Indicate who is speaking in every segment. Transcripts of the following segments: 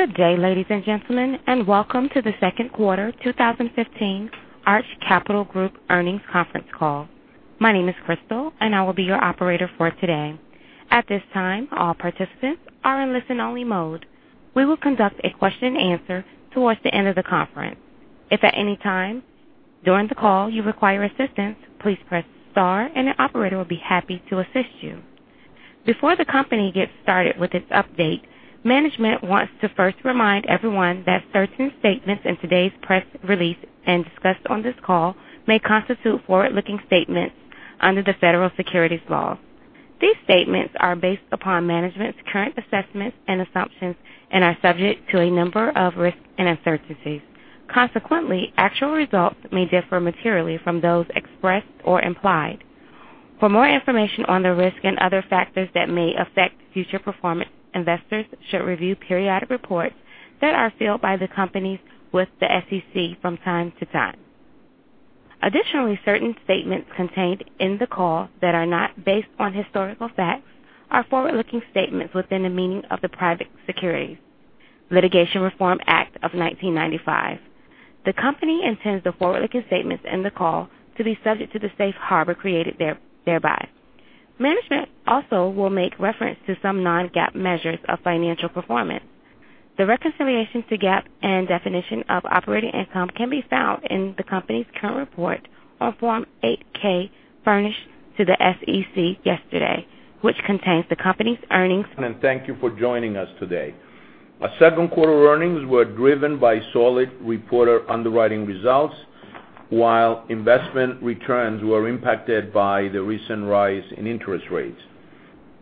Speaker 1: Good day, ladies and gentlemen, welcome to the second quarter 2015 Arch Capital Group earnings conference call. My name is Crystal, and I will be your operator for today. At this time, all participants are in listen-only mode. We will conduct a question and answer towards the end of the conference. If at any time during the call you require assistance, please press star and the operator will be happy to assist you. Before the company gets started with its update, management wants to first remind everyone that certain statements in today's press release and discussed on this call may constitute forward-looking statements under the federal securities laws. These statements are based upon management's current assessments and assumptions and are subject to a number of risks and uncertainties. Consequently, actual results may differ materially from those expressed or implied. For more information on the risk and other factors that may affect future performance, investors should review periodic reports that are filed by the companies with the SEC from time to time. Additionally, certain statements contained in the call that are not based on historical facts are forward-looking statements within the meaning of the Private Securities Litigation Reform Act of 1995. The company intends the forward-looking statements in the call to be subject to the safe harbor created thereby. Management also will make reference to some non-GAAP measures of financial performance. The reconciliation to GAAP and definition of operating income can be found in the company's current report on Form 8-K furnished to the SEC yesterday, which contains the company's earnings-
Speaker 2: Thank you for joining us today. Our second quarter earnings were driven by solid reporter underwriting results, while investment returns were impacted by the recent rise in interest rates.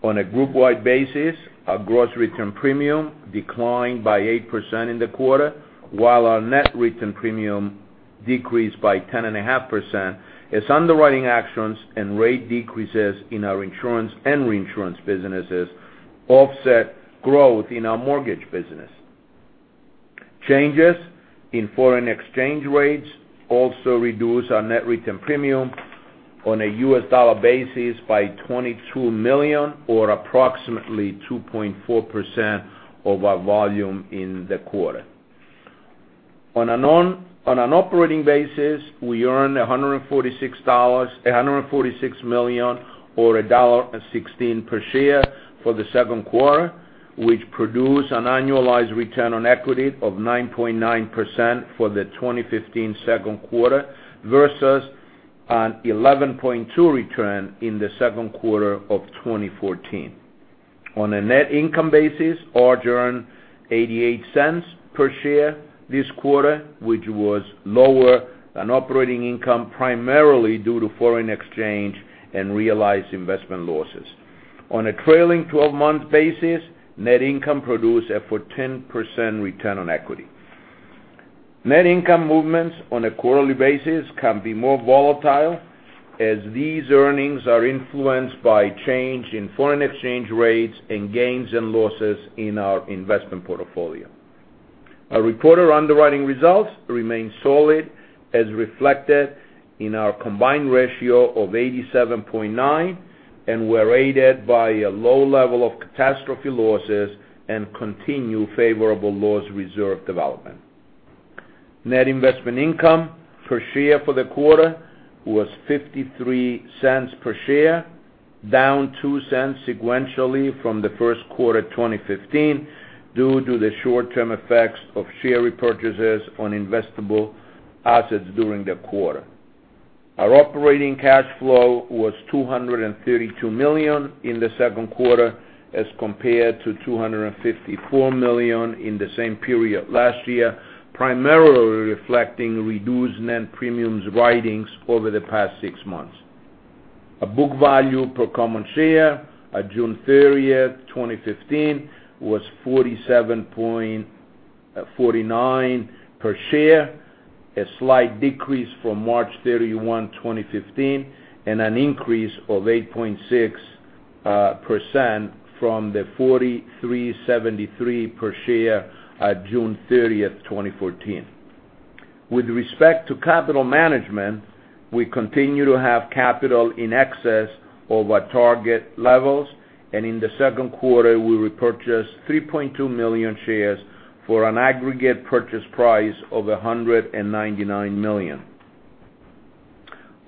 Speaker 2: On a group-wide basis, our gross written premium declined by 8% in the quarter, while our net written premium decreased by 10.5% as underwriting actions and rate decreases in our insurance and reinsurance businesses offset growth in our mortgage business. Changes in foreign exchange rates also reduced our net written premium on a U.S. dollar basis by $22 million or approximately 2.4% of our volume in the quarter. On an operating basis, we earned $146 million or $1.16 per share for the second quarter, which produced an annualized return on equity of 9.9% for the 2015 second quarter versus an 11.2% return in the second quarter of 2014. On a net income basis, Arch earned $0.88 per share this quarter, which was lower than operating income, primarily due to foreign exchange and realized investment losses. On a trailing 12-month basis, net income produced a 14% return on equity. Net income movements on a quarterly basis can be more volatile as these earnings are influenced by change in foreign exchange rates and gains and losses in our investment portfolio. Our reported underwriting results remain solid as reflected in our combined ratio of 87.9% and were aided by a low level of catastrophe losses and continued favorable loss reserve development. Net investment income per share for the quarter was $0.53 per share, down $0.02 sequentially from the first quarter 2015 due to the short-term effects of share repurchases on investable assets during the quarter. Our operating cash flow was $232 million in the second quarter as compared to $254 million in the same period last year, primarily reflecting reduced net premiums writings over the past six months. Our book value per common share at June 30th, 2015, was $47.49 per share, a slight decrease from March 31, 2015, and an increase of 8.6% from the $43.73 per share at June 30, 2014. With respect to capital management, we continue to have capital in excess of our target levels. In the second quarter, we repurchased 3.2 million shares for an aggregate purchase price of $199 million.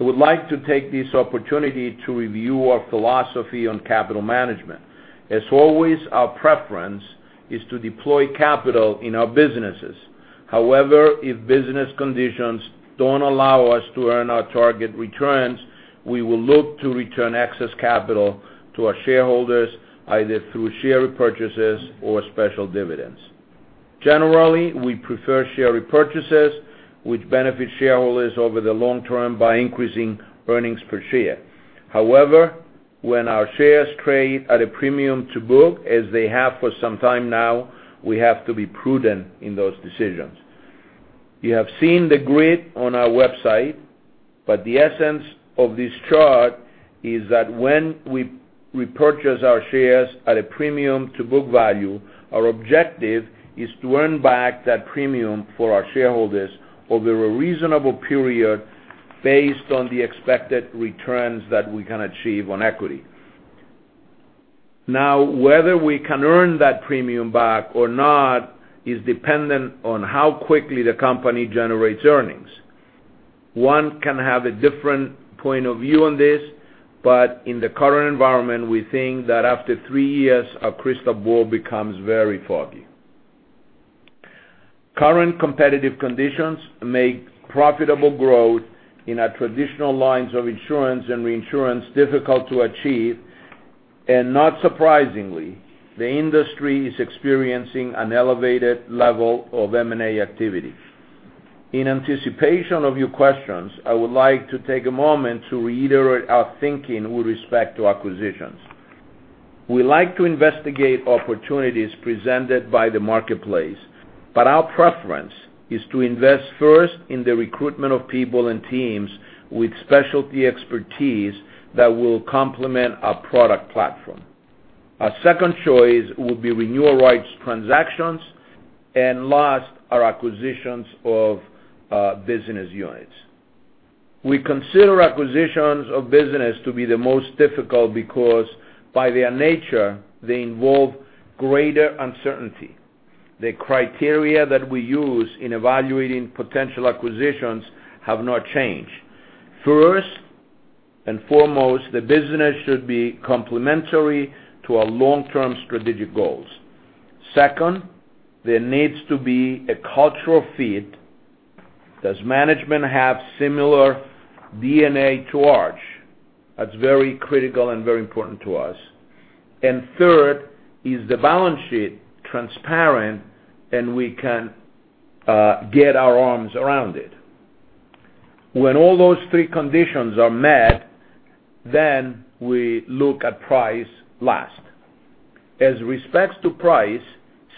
Speaker 2: I would like to take this opportunity to review our philosophy on capital management. As always, our preference is to deploy capital in our businesses. If business conditions don't allow us to earn our target returns, we will look to return excess capital to our shareholders, either through share repurchases or special dividends. Generally, we prefer share repurchases, which benefit shareholders over the long term by increasing earnings per share. When our shares trade at a premium to book, as they have for some time now, we have to be prudent in those decisions. You have seen the grid on our website, but the essence of this chart is that when we purchase our shares at a premium to book value, our objective is to earn back that premium for our shareholders over a reasonable period based on the expected returns that we can achieve on equity. Whether we can earn that premium back or not is dependent on how quickly the company generates earnings. One can have a different point of view on this, but in the current environment, we think that after three years, our crystal ball becomes very foggy. Current competitive conditions make profitable growth in our traditional lines of insurance and reinsurance difficult to achieve, and not surprisingly, the industry is experiencing an elevated level of M&A activity. In anticipation of your questions, I would like to take a moment to reiterate our thinking with respect to acquisitions. We like to investigate opportunities presented by the marketplace, but our preference is to invest first in the recruitment of people and teams with specialty expertise that will complement our product platform. Our second choice would be renewal rights transactions, and last are acquisitions of business units. We consider acquisitions of business to be the most difficult because, by their nature, they involve greater uncertainty. The criteria that we use in evaluating potential acquisitions have not changed. First and foremost, the business should be complementary to our long-term strategic goals. Second, there needs to be a cultural fit. Does management have similar DNA to Arch? That's very critical and very important to us. Third, is the balance sheet transparent and we can get our arms around it? When all those three conditions are met, we look at price last. As respects to price,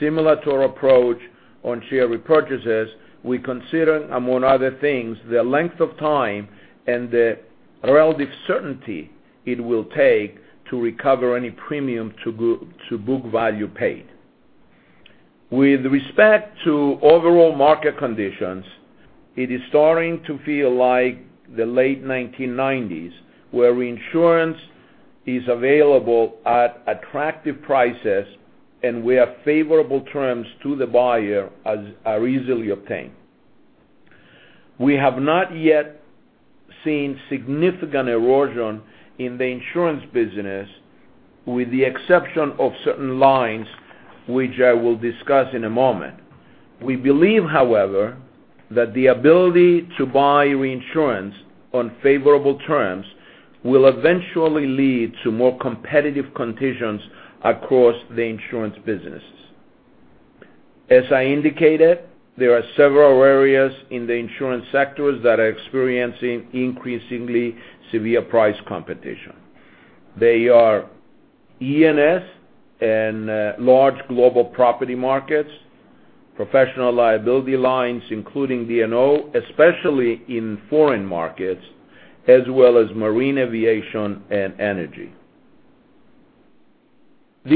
Speaker 2: similar to our approach on share repurchases, we consider, among other things, the length of time and the relative certainty it will take to recover any premium to book value paid. With respect to overall market conditions, it is starting to feel like the late 1990s, where reinsurance is available at attractive prices and where favorable terms to the buyer are easily obtained. We have not yet seen significant erosion in the insurance business, with the exception of certain lines, which I will discuss in a moment. We believe, however, that the ability to buy reinsurance on favorable terms will eventually lead to more competitive conditions across the insurance business. As I indicated, there are several areas in the insurance sectors that are experiencing increasingly severe price competition. They are E&S and large global property markets, professional liability lines, including D&O, especially in foreign markets, as well as marine aviation and energy. In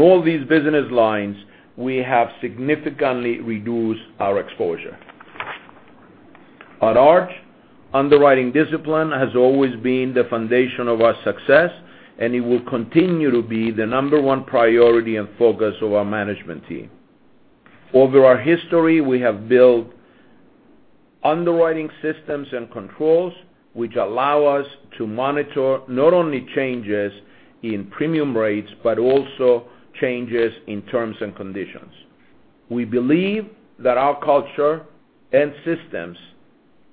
Speaker 2: all these business lines, we have significantly reduced our exposure. At Arch, underwriting discipline has always been the foundation of our success, and it will continue to be the number one priority and focus of our management team. Over our history, we have built underwriting systems and controls which allow us to monitor not only changes in premium rates, but also changes in terms and conditions. We believe that our culture and systems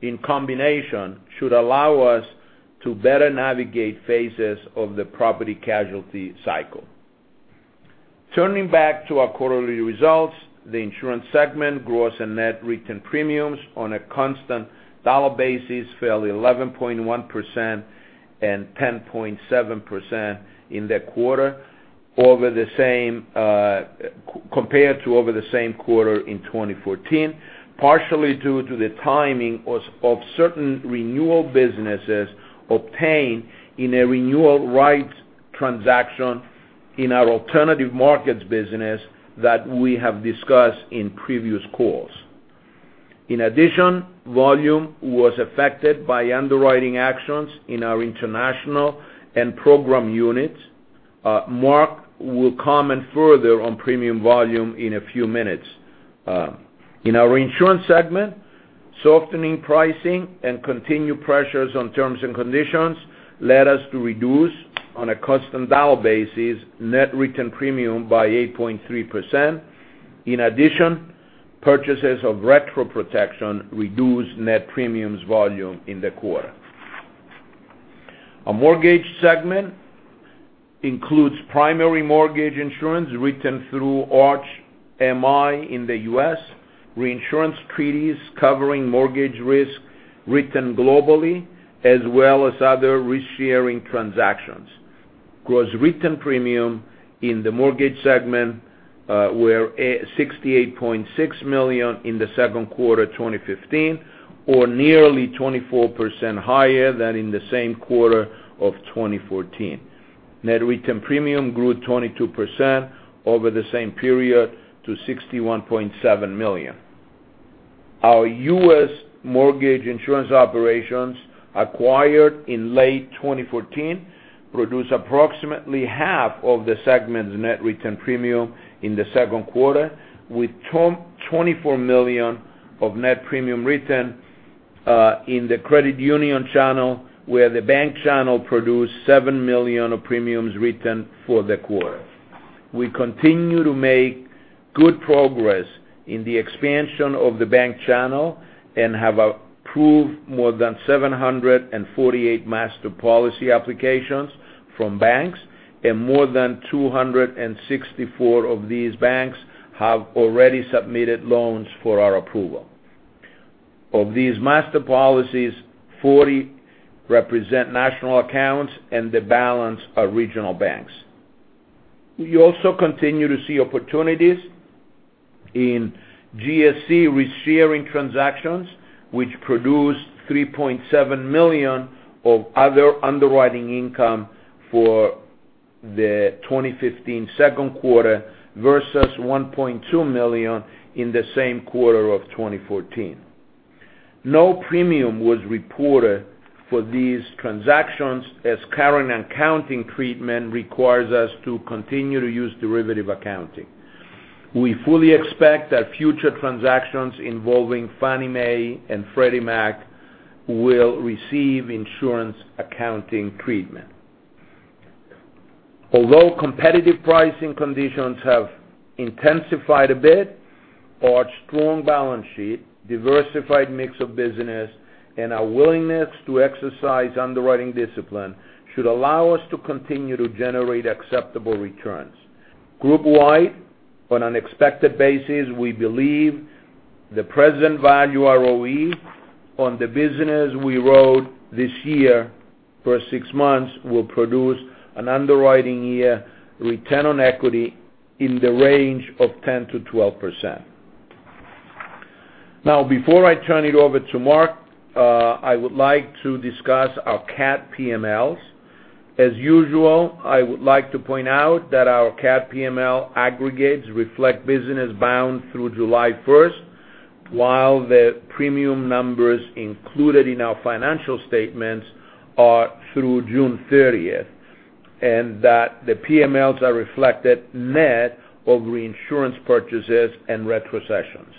Speaker 2: in combination should allow us to better navigate phases of the property casualty cycle. Turning back to our quarterly results, the insurance segment gross and net written premiums on a constant dollar basis fell 11.1% and 10.7% in the quarter compared to over the same quarter in 2014, partially due to the timing of certain renewal businesses obtained in a renewal rights transaction in our alternative markets business that we have discussed in previous calls. Volume was affected by underwriting actions in our international and program units. Marc will comment further on premium volume in a few minutes. In our reinsurance segment, softening pricing and continued pressures on terms and conditions led us to reduce on a constant dollar basis net written premium by 8.3%. Purchases of retro protection reduced net premiums volume in the quarter. Our mortgage segment includes primary mortgage insurance written through Arch MI in the U.S., reinsurance treaties covering mortgage risk written globally, as well as other risk-sharing transactions. Gross written premium in the mortgage segment were $68.6 million in the second quarter 2015, or nearly 24% higher than in the same quarter of 2014. Net written premium grew 22% over the same period to $61.7 million. Our U.S. mortgage insurance operations acquired in late 2014 produce approximately half of the segment's net written premium in the second quarter, with $24 million of net premium written in the credit union channel where the bank channel produced $7 million of premiums written for the quarter. We continue to make good progress in the expansion of the bank channel and have approved more than 748 master policy applications from banks, and more than 264 of these banks have already submitted loans for our approval. Of these master policies, 40 represent national accounts and the balance are regional banks. We also continue to see opportunities in GSE risk-sharing transactions, which produced $3.7 million of other underwriting income for the 2015 second quarter versus $1.2 million in the same quarter of 2014. No premium was reported for these transactions as current accounting treatment requires us to continue to use derivative accounting. We fully expect that future transactions involving Fannie Mae and Freddie Mac will receive insurance accounting treatment. Although competitive pricing conditions have intensified a bit, our strong balance sheet, diversified mix of business, and our willingness to exercise underwriting discipline should allow us to continue to generate acceptable returns. Group-wide, on an expected basis, we believe the present value ROE on the business we wrote this year for six months will produce an underwriting year return on equity in the range of 10%-12%. Now, before I turn it over to Marc, I would like to discuss our cat PMLs. As usual, I would like to point out that our cat PML aggregates reflect business bound through July 1st, while the premium numbers included in our financial statements are through June 30th, and that the PMLs are reflected net of reinsurance purchases and retrocessions.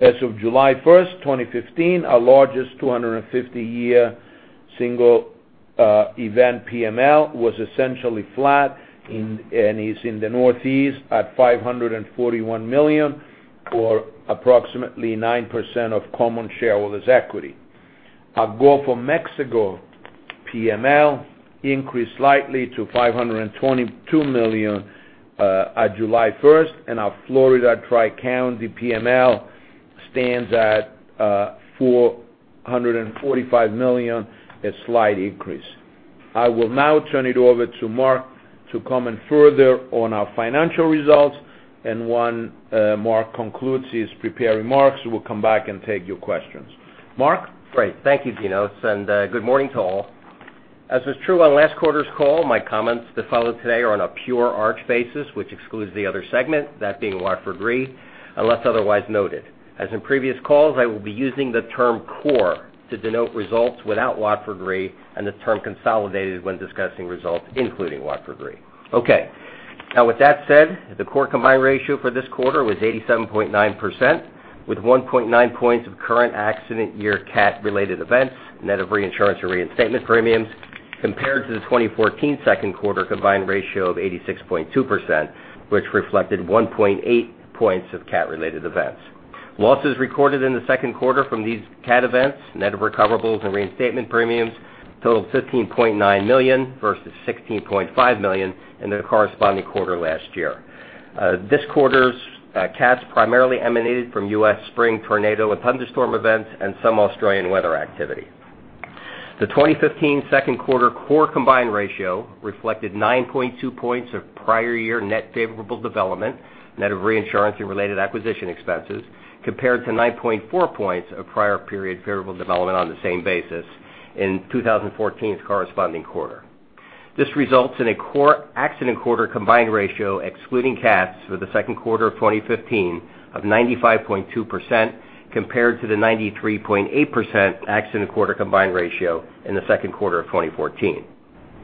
Speaker 2: As of July 1st, 2015, our largest 250-year single event PML was essentially flat and is in the Northeast at $541 million, or approximately 9% of common shareholders' equity. Our Gulf of Mexico PML increased slightly to $522 million on July 1st, and our Florida Tri-County PML stands at $445 million, a slight increase. I will now turn it over to Marc to comment further on our financial results, and when Marc concludes his prepared remarks, we'll come back and take your questions. Marc?
Speaker 3: Great. Thank you, Dinos, and good morning to all. As is true on last quarter's call, my comments that follow today are on a pure Arch basis, which excludes the other segment, that being Watford Re, unless otherwise noted. As in previous calls, I will be using the term core to denote results without Watford Re and the term consolidated when discussing results, including Watford Re. Okay. Now with that said, the core combined ratio for this quarter was 87.9%, with 1.9 points of current accident year cat related events, net of reinsurance and reinstatement premiums, compared to the 2014 second quarter combined ratio of 86.2%, which reflected 1.8 points of cat related events. Losses recorded in the second quarter from these cat events, net of recoverables and reinstatement premiums, totaled $15.9 million versus $16.5 million in the corresponding quarter last year. This quarter's cats primarily emanated from U.S. spring tornado and thunderstorm events and some Australian weather activity. The 2015 second quarter core combined ratio reflected 9.2 points of prior year net favorable development, net of reinsurance and related acquisition expenses, compared to 9.4 points of prior period favorable development on the same basis in 2014's corresponding quarter. This results in a core accident quarter combined ratio excluding cats for the second quarter of 2015 of 95.2%, compared to the 93.8% accident quarter combined ratio in the second quarter of 2014.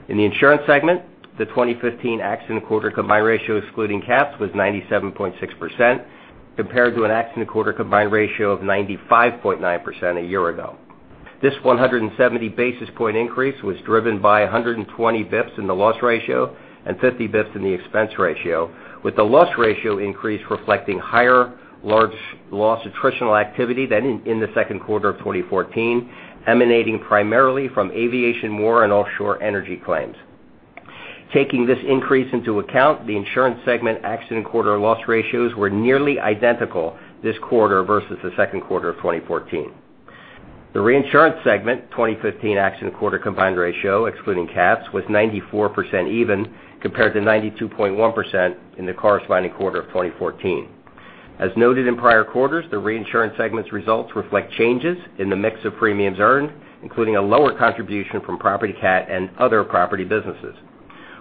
Speaker 3: In the insurance segment, the 2015 accident quarter combined ratio excluding cats was 97.6%, compared to an accident quarter combined ratio of 95.9% a year ago. This 170 basis point increase was driven by 120 bips in the loss ratio and 50 bips in the expense ratio, with the loss ratio increase reflecting higher large loss attritional activity than in the second quarter of 2014, emanating primarily from aviation war and offshore energy claims. Taking this increase into account, the insurance segment accident quarter loss ratios were nearly identical this quarter versus the second quarter of 2014. The reinsurance segment 2015 accident quarter combined ratio excluding cats was 94% even compared to 92.1% in the corresponding quarter of 2014. As noted in prior quarters, the reinsurance segment's results reflect changes in the mix of premiums earned, including a lower contribution from property cat and other property businesses.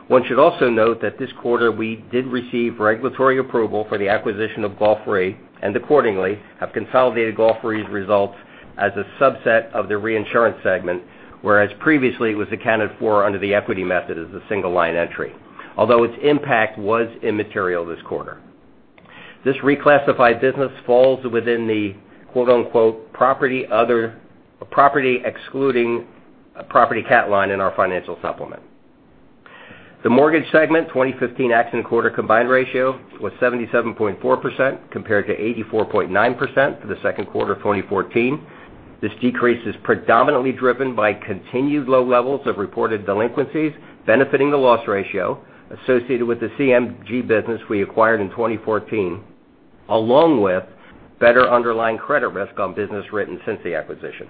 Speaker 3: One should also note that this quarter we did receive regulatory approval for the acquisition of Gulf Re, and accordingly, have consolidated Gulf Re's results as a subset of the reinsurance segment, whereas previously it was accounted for under the equity method as a single line entry. Although its impact was immaterial this quarter. This reclassified business falls within the "property excluding property cat line" in our financial supplement. The mortgage segment 2015 accident quarter combined ratio was 77.4% compared to 84.9% for the second quarter of 2014. This decrease is predominantly driven by continued low levels of reported delinquencies benefiting the loss ratio associated with the CMG business we acquired in 2014, along with better underlying credit risk on business written since the acquisition.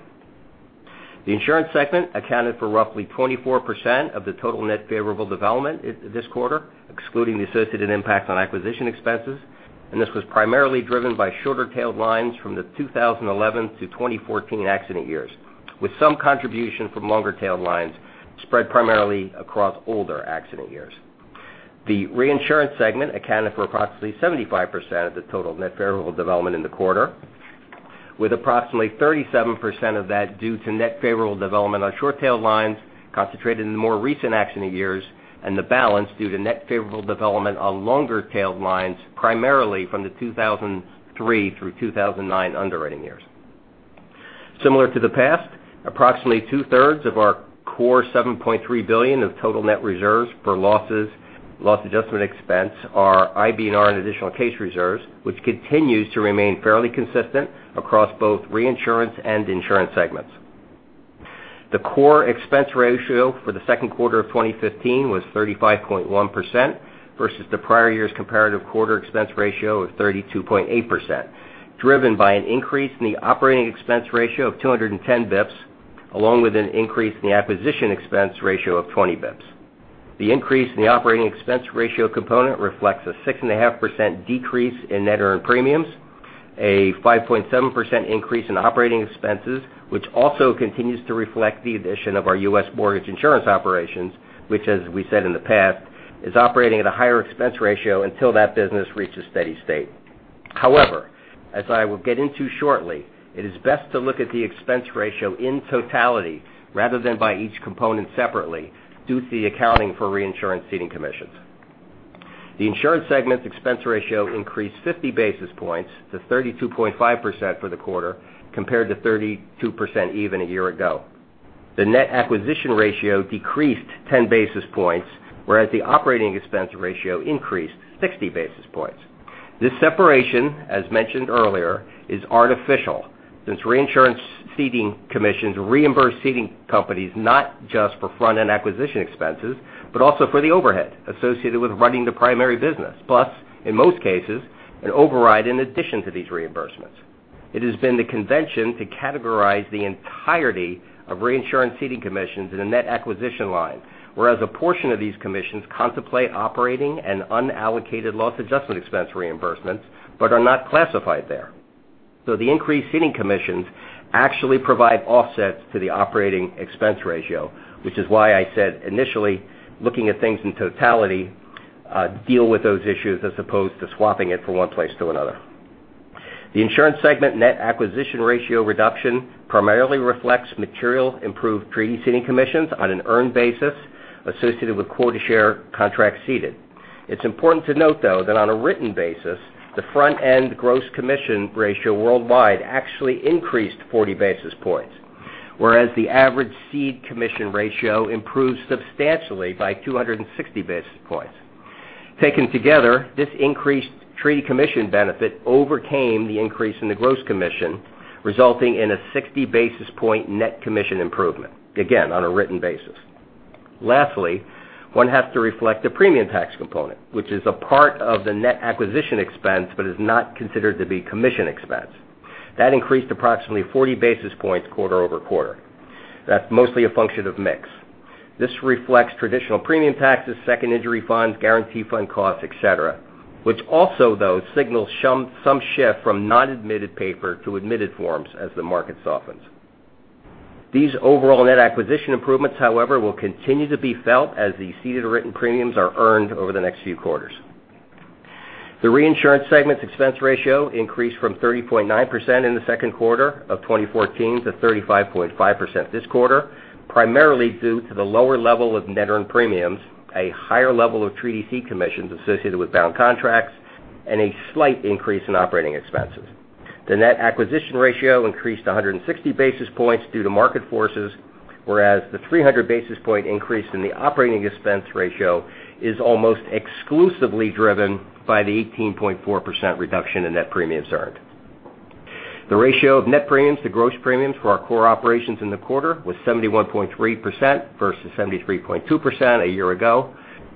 Speaker 3: The insurance segment accounted for roughly 24% of the total net favorable development this quarter, excluding the associated impact on acquisition expenses, and this was primarily driven by shorter tailed lines from the 2011-2014 accident years, with some contribution from longer tailed lines spread primarily across older accident years. The reinsurance segment accounted for approximately 75% of the total net favorable development in the quarter, with approximately 37% of that due to net favorable development on short tail lines concentrated in the more recent accident years, and the balance due to net favorable development on longer tailed lines, primarily from the 2003-2009 underwriting years. Similar to the past, approximately two-thirds of our core $7.3 billion of total net reserves for loss adjustment expense are IBNR and additional case reserves, which continues to remain fairly consistent across both reinsurance and insurance segments. The core expense ratio for the second quarter of 2015 was 35.1% versus the prior year's comparative quarter expense ratio of 32.8%, driven by an increase in the operating expense ratio of 210 bips, along with an increase in the acquisition expense ratio of 20 bips. The increase in the operating expense ratio component reflects a 6.5% decrease in net earned premiums, a 5.7% increase in operating expenses, which also continues to reflect the addition of our U.S. mortgage insurance operations, which as we said in the past, is operating at a higher expense ratio until that business reaches steady state. However, as I will get into shortly, it is best to look at the expense ratio in totality rather than by each component separately due to the accounting for reinsurance ceding commissions. The insurance segment's expense ratio increased 50 basis points to 32.5% for the quarter compared to 32% even a year ago. The net acquisition ratio decreased 10 basis points, whereas the operating expense ratio increased 60 basis points. This separation, as mentioned earlier, is artificial since reinsurance ceding commissions reimburse ceding companies not just for front-end acquisition expenses, but also for the overhead associated with running the primary business. In most cases, an override in addition to these reimbursements. It has been the convention to categorize the entirety of reinsurance ceding commissions in the net acquisition line, whereas a portion of these commissions contemplate operating and unallocated loss adjustment expense reimbursements but are not classified there. The increased ceding commissions actually provide offsets to the operating expense ratio, which is why I said initially, looking at things in totality, deal with those issues as opposed to swapping it from one place to another. The insurance segment net acquisition ratio reduction primarily reflects material improved treaty ceding commissions on an earned basis associated with quota share contracts ceded. It's important to note, though, that on a written basis, the front-end gross commission ratio worldwide actually increased 40 basis points, whereas the average cede commission ratio improved substantially by 260 basis points. Taken together, this increased treaty commission benefit overcame the increase in the gross commission, resulting in a 60 basis point net commission improvement, again, on a written basis. Lastly, one has to reflect the premium tax component, which is a part of the net acquisition expense but is not considered to be commission expense. That increased approximately 40 basis points quarter-over-quarter. That's mostly a function of mix. This reflects traditional premium taxes, second injury funds, guarantee fund costs, et cetera, which also though, signals some shift from non-admitted paper to admitted forms as the market softens. These overall net acquisition improvements, however, will continue to be felt as the ceded written premiums are earned over the next few quarters. The reinsurance segment's expense ratio increased from 30.9% in the second quarter of 2014 to 35.5% this quarter, primarily due to the lower level of net earned premiums, a higher level of treaty cede commissions associated with bound contracts, and a slight increase in operating expenses. The net acquisition ratio increased 160 basis points due to market forces, whereas the 300 basis point increase in the operating expense ratio is almost exclusively driven by the 18.4% reduction in net premiums earned. The ratio of net premiums to gross premiums for our core operations in the quarter was 71.3% versus 73.2% a year ago.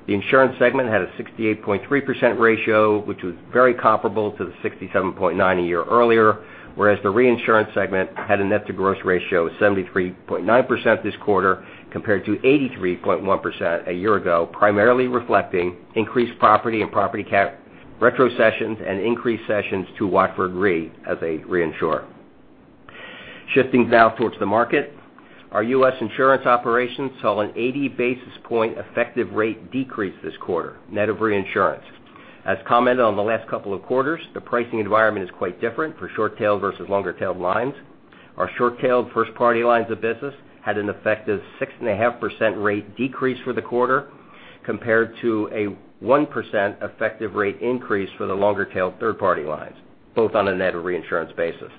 Speaker 3: The insurance segment had a 68.3% ratio, which was very comparable to the 67.9% a year earlier, whereas the reinsurance segment had a net-to-gross ratio of 73.9% this quarter compared to 83.1% a year ago, primarily reflecting increased property and property cat retrocessions and increased cessions to Watford Re as a reinsurer. Shifting now towards the market. Our U.S. insurance operations saw an 80 basis point effective rate decrease this quarter, net of reinsurance. Commented on the last couple of quarters, the pricing environment is quite different for short-tail versus longer-tailed lines. Our short-tailed first-party lines of business had an effective 6.5% rate decrease for the quarter, compared to a 1% effective rate increase for the longer-tailed third-party lines, both on a net or reinsurance basis.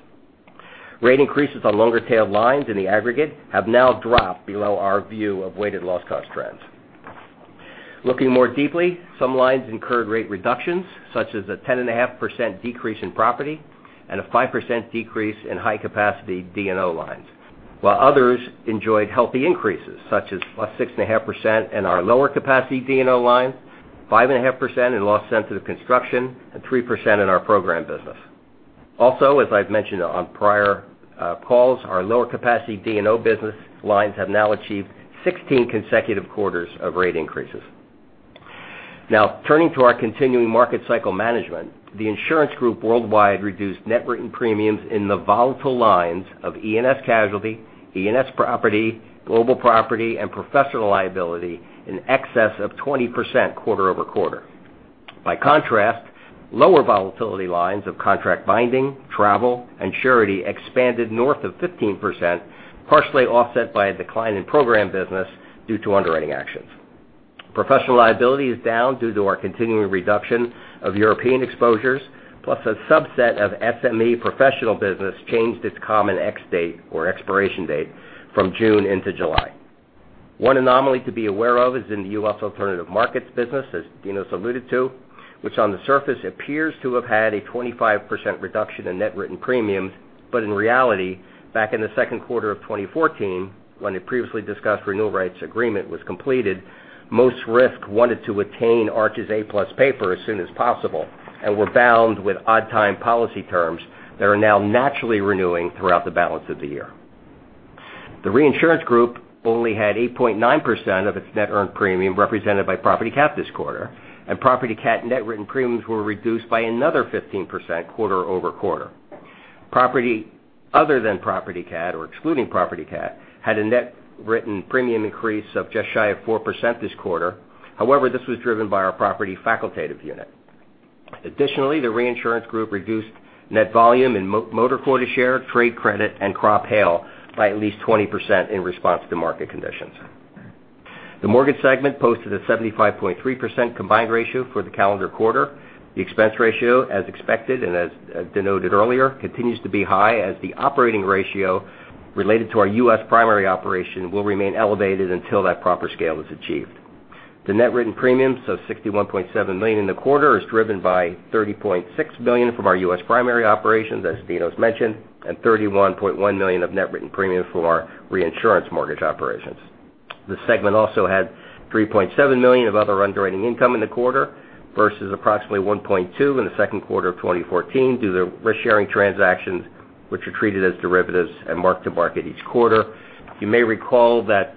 Speaker 3: Rate increases on longer-tailed lines in the aggregate have now dropped below our view of weighted loss cost trends. Looking more deeply, some lines incurred rate reductions, such as a 10.5% decrease in property and a 5% decrease in high capacity D&O lines, while others enjoyed healthy increases, such as +6.5% in our lower capacity D&O lines, 5.5% in loss-sensitive construction, and 3% in our program business. Also, as I've mentioned on prior calls, our lower capacity D&O business lines have now achieved 16 consecutive quarters of rate increases. Turning to our continuing market cycle management. The insurance group worldwide reduced net written premiums in the volatile lines of E&S casualty, E&S property, global property, and professional liability in excess of 20% quarter-over-quarter. Lower volatility lines of contract binding, travel, and surety expanded north of 15%, partially offset by a decline in program business due to underwriting actions. Professional liability is down due to our continuing reduction of European exposures, plus a subset of SME professional business changed its common x-date or expiration date from June into July. One anomaly to be aware of is in the U.S. alternative markets business, as Dinos alluded to, which on the surface appears to have had a 25% reduction in net written premiums, but in reality, back in the second quarter of 2014, when a previously discussed renewal rights agreement was completed, most risk wanted to attain Arch's A+ paper as soon as possible and were bound with odd-time policy terms that are now naturally renewing throughout the balance of the year. The reinsurance group only had 8.9% of its net earned premium represented by property cat this quarter, and property cat net written premiums were reduced by another 15% quarter-over-quarter. Property other than property cat or excluding property cat, had a net written premium increase of just shy of 4% this quarter. However, this was driven by our property facultative unit. Additionally, the reinsurance group reduced net volume in motor quota share, trade credit, and crop hail by at least 20% in response to market conditions. The mortgage segment posted a 75.3% combined ratio for the calendar quarter. The expense ratio, as expected and as denoted earlier, continues to be high as the operating ratio related to our U.S. primary operation will remain elevated until that proper scale is achieved. The net written premiums of $61.7 million in the quarter is driven by $30.6 million from our U.S. primary operations, as Dinos mentioned, and $31.1 million of net written premiums from our reinsurance mortgage operations. The segment also had $3.7 million of other underwriting income in the quarter versus approximately $1.2 million in the second quarter of 2014 due to risk-sharing transactions, which are treated as derivatives and mark-to-market each quarter. You may recall that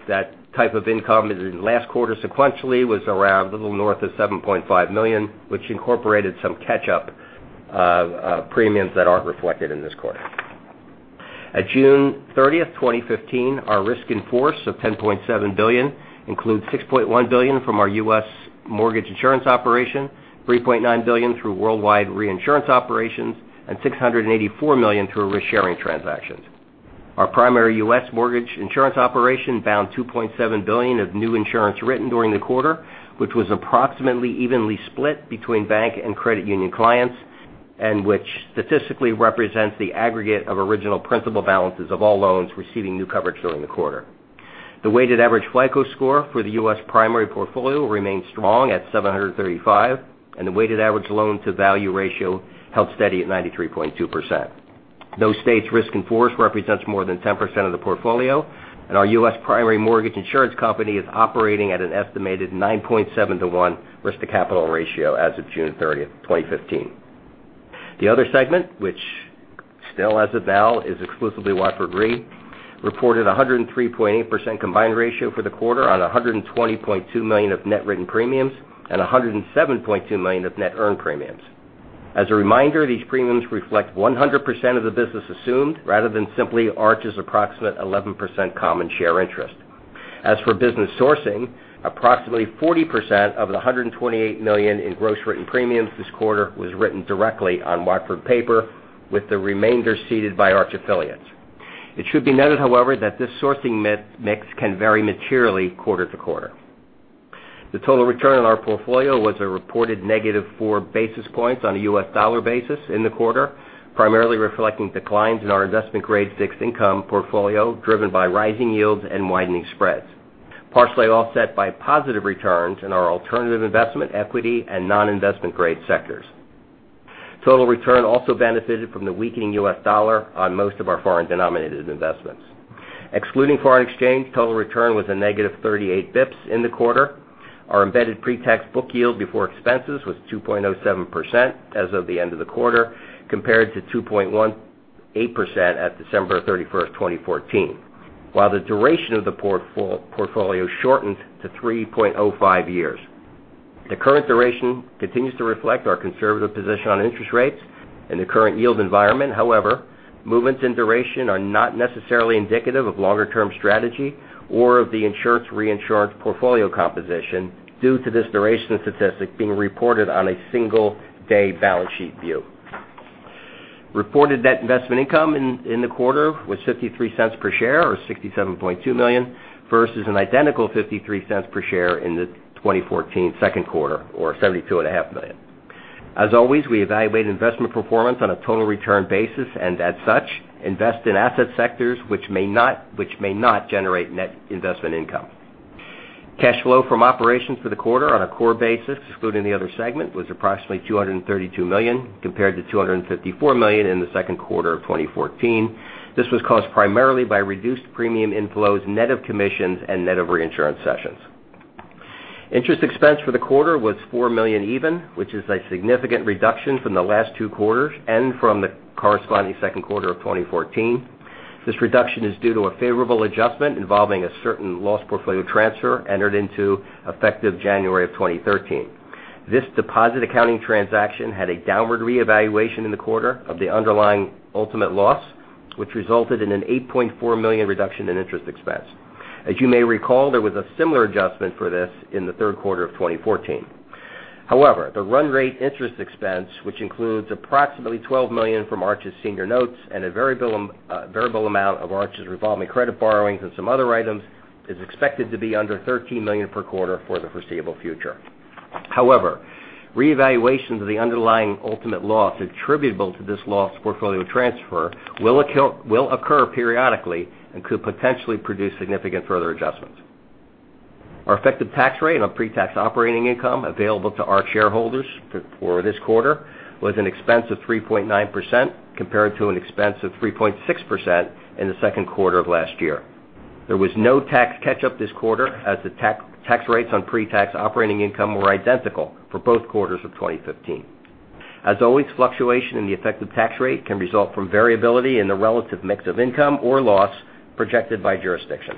Speaker 3: type of income in last quarter sequentially was around a little north of $7.5 million, which incorporated some catch-up premiums that aren't reflected in this quarter. At June 30th, 2015, our risk in force of $10.7 billion includes $6.1 billion from our U.S. mortgage insurance operation, $3.9 billion through worldwide reinsurance operations, and $684 million through risk-sharing transactions. Our primary U.S. mortgage insurance operation found $2.7 billion of new insurance written during the quarter, which was approximately evenly split between bank and credit union clients, and which statistically represents the aggregate of original principal balances of all loans receiving new coverage during the quarter. The weighted average FICO score for the U.S. primary portfolio remained strong at 735, and the weighted average loan-to-value ratio held steady at 93.2%. Those states' risk in force represents more than 10% of the portfolio, and our U.S. primary mortgage insurance company is operating at an estimated 9.7 to 1 risk to capital ratio as of June 30th, 2015. The other segment, which still as of now is exclusively Watford Re, reported 103.8% combined ratio for the quarter on $120.2 million of net written premiums and $107.2 million of net earned premiums. As a reminder, these premiums reflect 100% of the business assumed rather than simply Arch's approximate 11% common share interest. As for business sourcing, approximately 40% of the $128 million in gross written premiums this quarter was written directly on Watford paper with the remainder seated by Arch affiliates. It should be noted, however, that this sourcing mix can vary materially quarter to quarter. The total return on our portfolio was a reported negative four basis points on a U.S. dollar basis in the quarter, primarily reflecting declines in our investment-grade fixed income portfolio driven by rising yields and widening spreads, partially offset by positive returns in our alternative investment, equity, and non-investment grade sectors. Total return also benefited from the weakening U.S. dollar on most of our foreign-denominated investments. Excluding foreign exchange, total return was a negative 38 basis points in the quarter. Our embedded pre-tax book yield before expenses was 2.07% as of the end of the quarter, compared to 2.18% at December 31st, 2014, while the duration of the portfolio shortened to 3.05 years. The current duration continues to reflect our conservative position on interest rates in the current yield environment. Movements in duration are not necessarily indicative of longer-term strategy or of the insurance reinsurance portfolio composition due to this duration statistic being reported on a single-day balance sheet view. Reported net investment income in the quarter was $0.53 per share, or $67.2 million, versus an identical $0.53 per share in the 2014 second quarter, or $72.5 million. As always, we evaluate investment performance on a total return basis and as such, invest in asset sectors which may not generate net investment income. Cash flow from operations for the quarter on a core basis, excluding the other segment, was approximately $232 million, compared to $254 million in the second quarter of 2014. This was caused primarily by reduced premium inflows net of commissions and net of reinsurance cessions. Interest expense for the quarter was $4 million even, which is a significant reduction from the last two quarters and from the corresponding second quarter of 2014. This reduction is due to a favorable adjustment involving a certain loss portfolio transfer entered into effective January of 2013. This deposit accounting transaction had a downward reevaluation in the quarter of the underlying ultimate loss, which resulted in an $8.4 million reduction in interest expense. As you may recall, there was a similar adjustment for this in the third quarter of 2014. However, the run rate interest expense, which includes approximately $12 million from Arch's senior notes and a variable amount of Arch's revolving credit borrowings and some other items, is expected to be under $13 million per quarter for the foreseeable future. However, reevaluation of the underlying ultimate loss attributable to this loss portfolio transfer will occur periodically and could potentially produce significant further adjustments. Our effective tax rate on pre-tax operating income available to Arch shareholders for this quarter was an expense of 3.9%, compared to an expense of 3.6% in the second quarter of last year. There was no tax catch-up this quarter, as the tax rates on pre-tax operating income were identical for both quarters of 2015. As always, fluctuation in the effective tax rate can result from variability in the relative mix of income or loss projected by jurisdiction.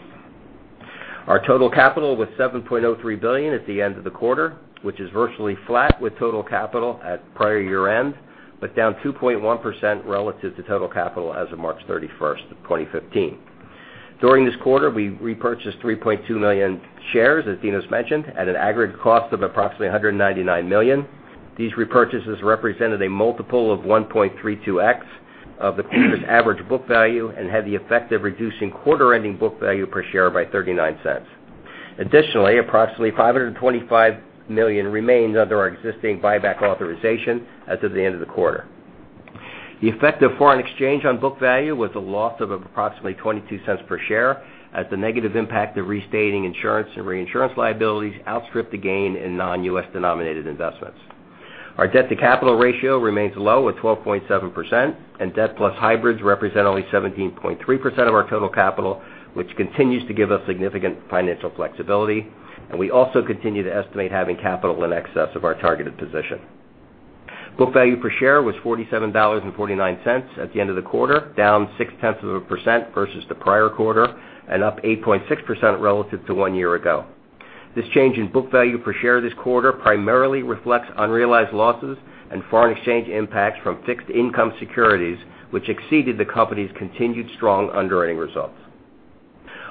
Speaker 3: Our total capital was $7.03 billion at the end of the quarter, which is virtually flat with total capital at prior year-end, but down 2.1% relative to total capital as of March 31st of 2015. During this quarter, we repurchased 3.2 million shares, as Dinos mentioned, at an aggregate cost of approximately $199 million. These repurchases represented a multiple of 1.32x of the previous average book value and had the effect of reducing quarter-ending book value per share by $0.39. Additionally, approximately $525 million remains under our existing buyback authorization as of the end of the quarter. The effect of foreign exchange on book value was a loss of approximately $0.22 per share, as the negative impact of restating insurance and reinsurance liabilities outstripped the gain in non-U.S. denominated investments. Our debt-to-capital ratio remains low at 12.7%, and debt plus hybrids represent only 17.3% of our total capital, which continues to give us significant financial flexibility. We also continue to estimate having capital in excess of our targeted position. Book value per share was $47.49 at the end of the quarter, down 0.6% versus the prior quarter and up 8.6% relative to one year ago. This change in book value per share this quarter primarily reflects unrealized losses and foreign exchange impacts from fixed income securities, which exceeded the company's continued strong underwriting results.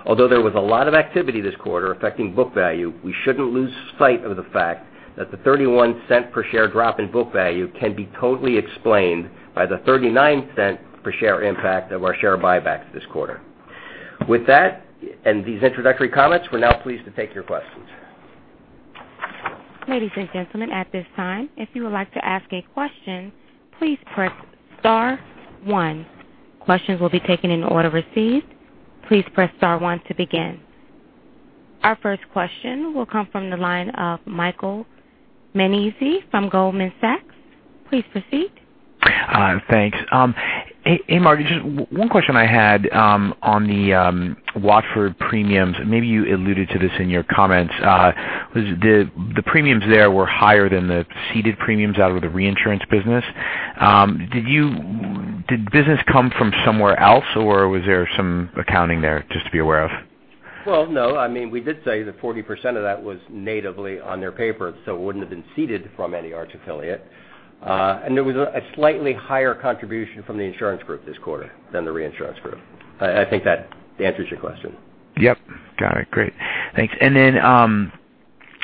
Speaker 3: Although there was a lot of activity this quarter affecting book value, we shouldn't lose sight of the fact that the $0.31 per share drop in book value can be totally explained by the $0.39 per share impact of our share buybacks this quarter. With that and these introductory comments, we're now pleased to take your questions.
Speaker 1: Ladies and gentlemen, at this time, if you would like to ask a question, please press star one. Questions will be taken in the order received. Please press star one to begin. Our first question will come from the line of Michael Nannizzi from Goldman Sachs. Please proceed.
Speaker 4: Thanks. Hey, Marc. Just one question I had on the Watford premiums, maybe you alluded to this in your comments. The premiums there were higher than the ceded premiums out of the reinsurance business. Did business come from somewhere else, or was there some accounting there just to be aware of?
Speaker 3: Well, no. We did say that 40% of that was natively on their paper, so it wouldn't have been ceded from any Arch affiliate. There was a slightly higher contribution from the insurance group this quarter than the reinsurance group. I think that answers your question.
Speaker 4: Yep. Got it. Great. Thanks. Then,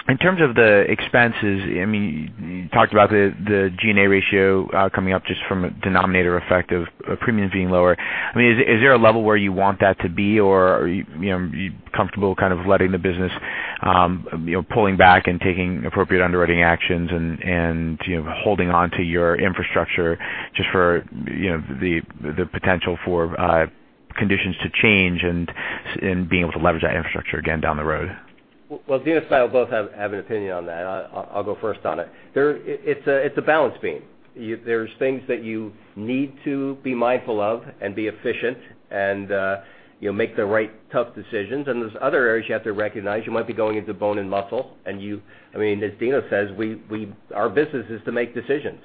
Speaker 4: in terms of the expenses, you talked about the G&A ratio coming up just from a denominator effect of premiums being lower. Is there a level where you want that to be, or are you comfortable kind of letting the business pulling back and taking appropriate underwriting actions and holding onto your infrastructure just for the potential for conditions to change and being able to leverage that infrastructure again down the road?
Speaker 3: Dinos and I both have an opinion on that. I'll go first on it. It's a balance beam. There's things that you need to be mindful of and be efficient and make the right tough decisions. There's other areas you have to recognize. You might be going into bone and muscle, as Dino says, our business is to make decisions.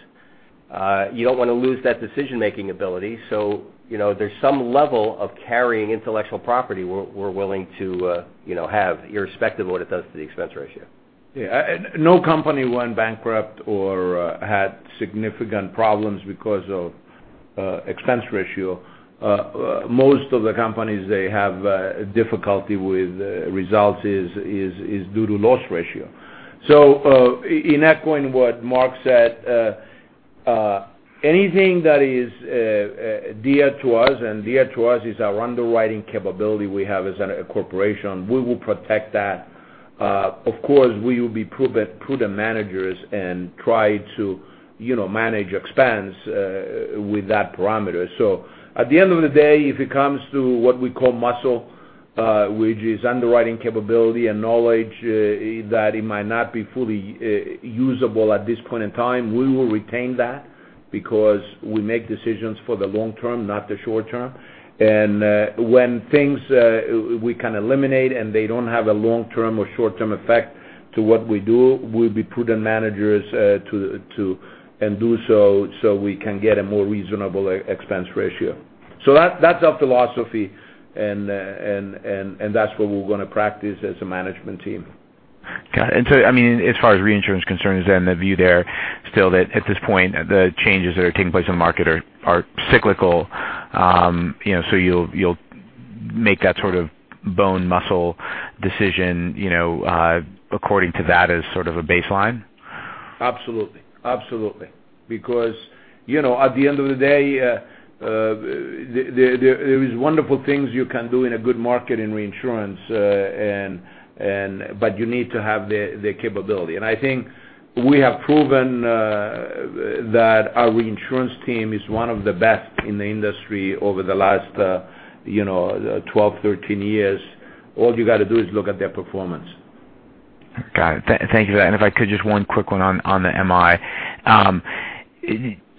Speaker 3: You don't want to lose that decision-making ability. There's some level of carrying intellectual property we're willing to have, irrespective of what it does to the expense ratio.
Speaker 2: Yeah. No company went bankrupt or had significant problems because of expense ratio. Most of the companies, they have difficulty with results is due to loss ratio. In echoing what Marc said, anything that is dear to us, and dear to us is our underwriting capability we have as a corporation, we will protect that. Of course, we will be prudent managers and try to manage expense with that parameter. At the end of the day, if it comes to what we call muscle, which is underwriting capability and knowledge, that it might not be fully usable at this point in time, we will retain that because we make decisions for the long term, not the short term. When things we can eliminate and they don't have a long-term or short-term effect to what we do, we'll be prudent managers and do so we can get a more reasonable expense ratio. That's our philosophy, and that's what we're going to practice as a management team.
Speaker 4: Got it. As far as reinsurance concern is then the view there still that at this point, the changes that are taking place in the market are cyclical. You'll make that sort of bone muscle decision according to that as sort of a baseline?
Speaker 2: Absolutely. At the end of the day, there is wonderful things you can do in a good market in reinsurance. You need to have the capability. I think we have proven that our reinsurance team is one of the best in the industry over the last 12, 13 years. All you got to do is look at their performance.
Speaker 4: Got it. Thank you for that. If I could, just one quick one on the MI.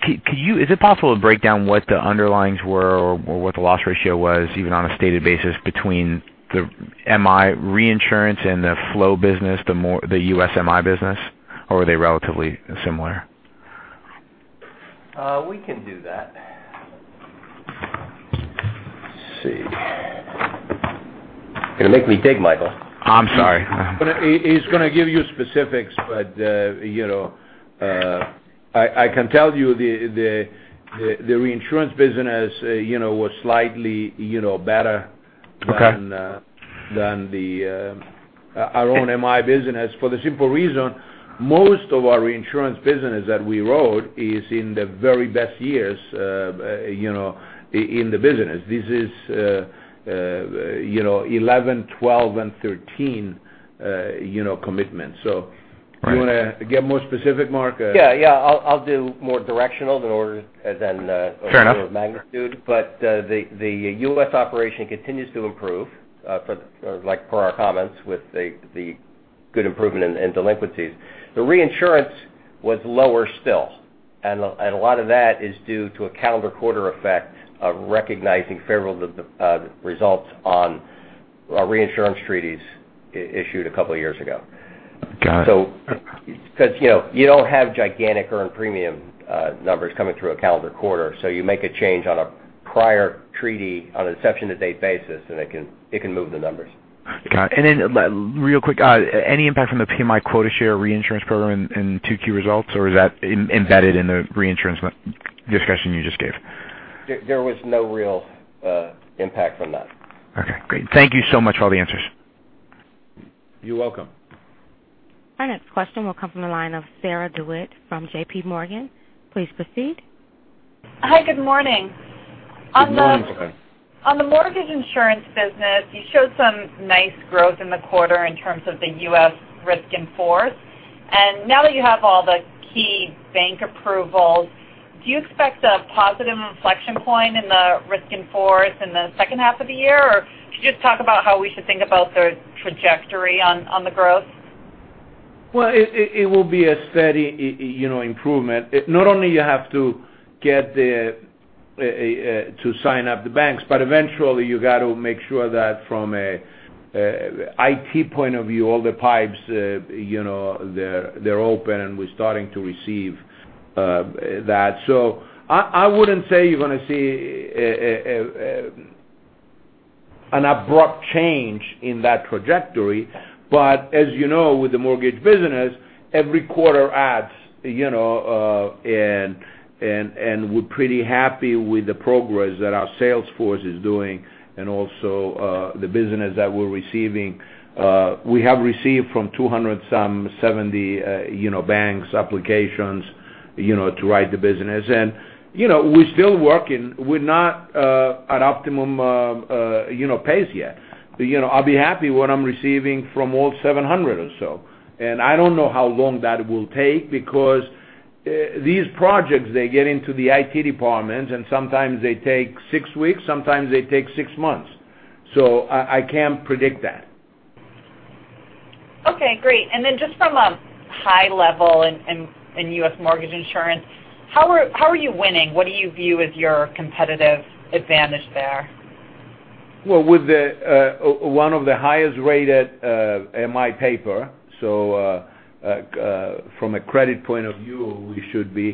Speaker 4: Is it possible to break down what the underlyings were or what the loss ratio was, even on a stated basis between the MI reinsurance and the flow business, the U.S. MI business? Were they relatively similar?
Speaker 3: We can do that. Let's see. It'll make me think, Michael.
Speaker 4: I'm sorry.
Speaker 2: He's going to give you specifics, but I can tell you the reinsurance business was slightly better-
Speaker 4: Okay
Speaker 2: than our own MI business for the simple reason, most of our reinsurance business that we wrote is in the very best years in the business. This is 2011, 2012, and 2013 commitment.
Speaker 4: Right
Speaker 2: Do you want to get more specific, Marc?
Speaker 3: Yeah. I'll do more directional than order-
Speaker 4: Fair enough
Speaker 3: than order of magnitude. The U.S. operation continues to improve, like per our comments with the good improvement in delinquencies. The reinsurance was lower still, and a lot of that is due to a calendar quarter effect of recognizing favorable results on our reinsurance treaties issued a couple of years ago.
Speaker 4: Got it.
Speaker 3: You don't have gigantic earned premium numbers coming through a calendar quarter, so you make a change on a prior treaty on a inception to date basis, and it can move the numbers.
Speaker 4: Got it. Real quick, any impact from the PMI quota share reinsurance program in 2Q results, or is that embedded in the reinsurance discussion you just gave?
Speaker 3: There was no real impact from that.
Speaker 4: Okay, great. Thank you so much for all the answers.
Speaker 3: You're welcome.
Speaker 1: Our next question will come from the line of Sarah DeWitt from J.P. Morgan. Please proceed.
Speaker 5: Hi, good morning.
Speaker 2: Good morning.
Speaker 5: On the mortgage insurance business, you showed some nice growth in the quarter in terms of the U.S. risk in force. Now that you have all the key bank approvals, do you expect a positive inflection point in the risk in force in the second half of the year? Could you just talk about how we should think about the trajectory on the growth?
Speaker 2: Well, it will be a steady improvement. Not only you have to sign up the banks, but eventually you got to make sure that from an IT point of view, all the pipes, they're open and we're starting to receive that. I wouldn't say you're going to see an abrupt change in that trajectory. As you know, with the mortgage business, every quarter adds, and we're pretty happy with the progress that our sales force is doing and also the business that we're receiving. We have received from 200 and some 70 banks applications to write the business. We're still working. We're not at optimum pace yet. I'll be happy when I'm receiving from all 700 or so. I don't know how long that will take because these projects, they get into the IT departments, and sometimes they take six weeks, sometimes they take six months. I can't predict that.
Speaker 5: Okay, great. Just from a high level in U.S. mortgage insurance, how are you winning? What do you view as your competitive advantage there?
Speaker 2: Well, with one of the highest rated MI paper. From a credit point of view, we should be.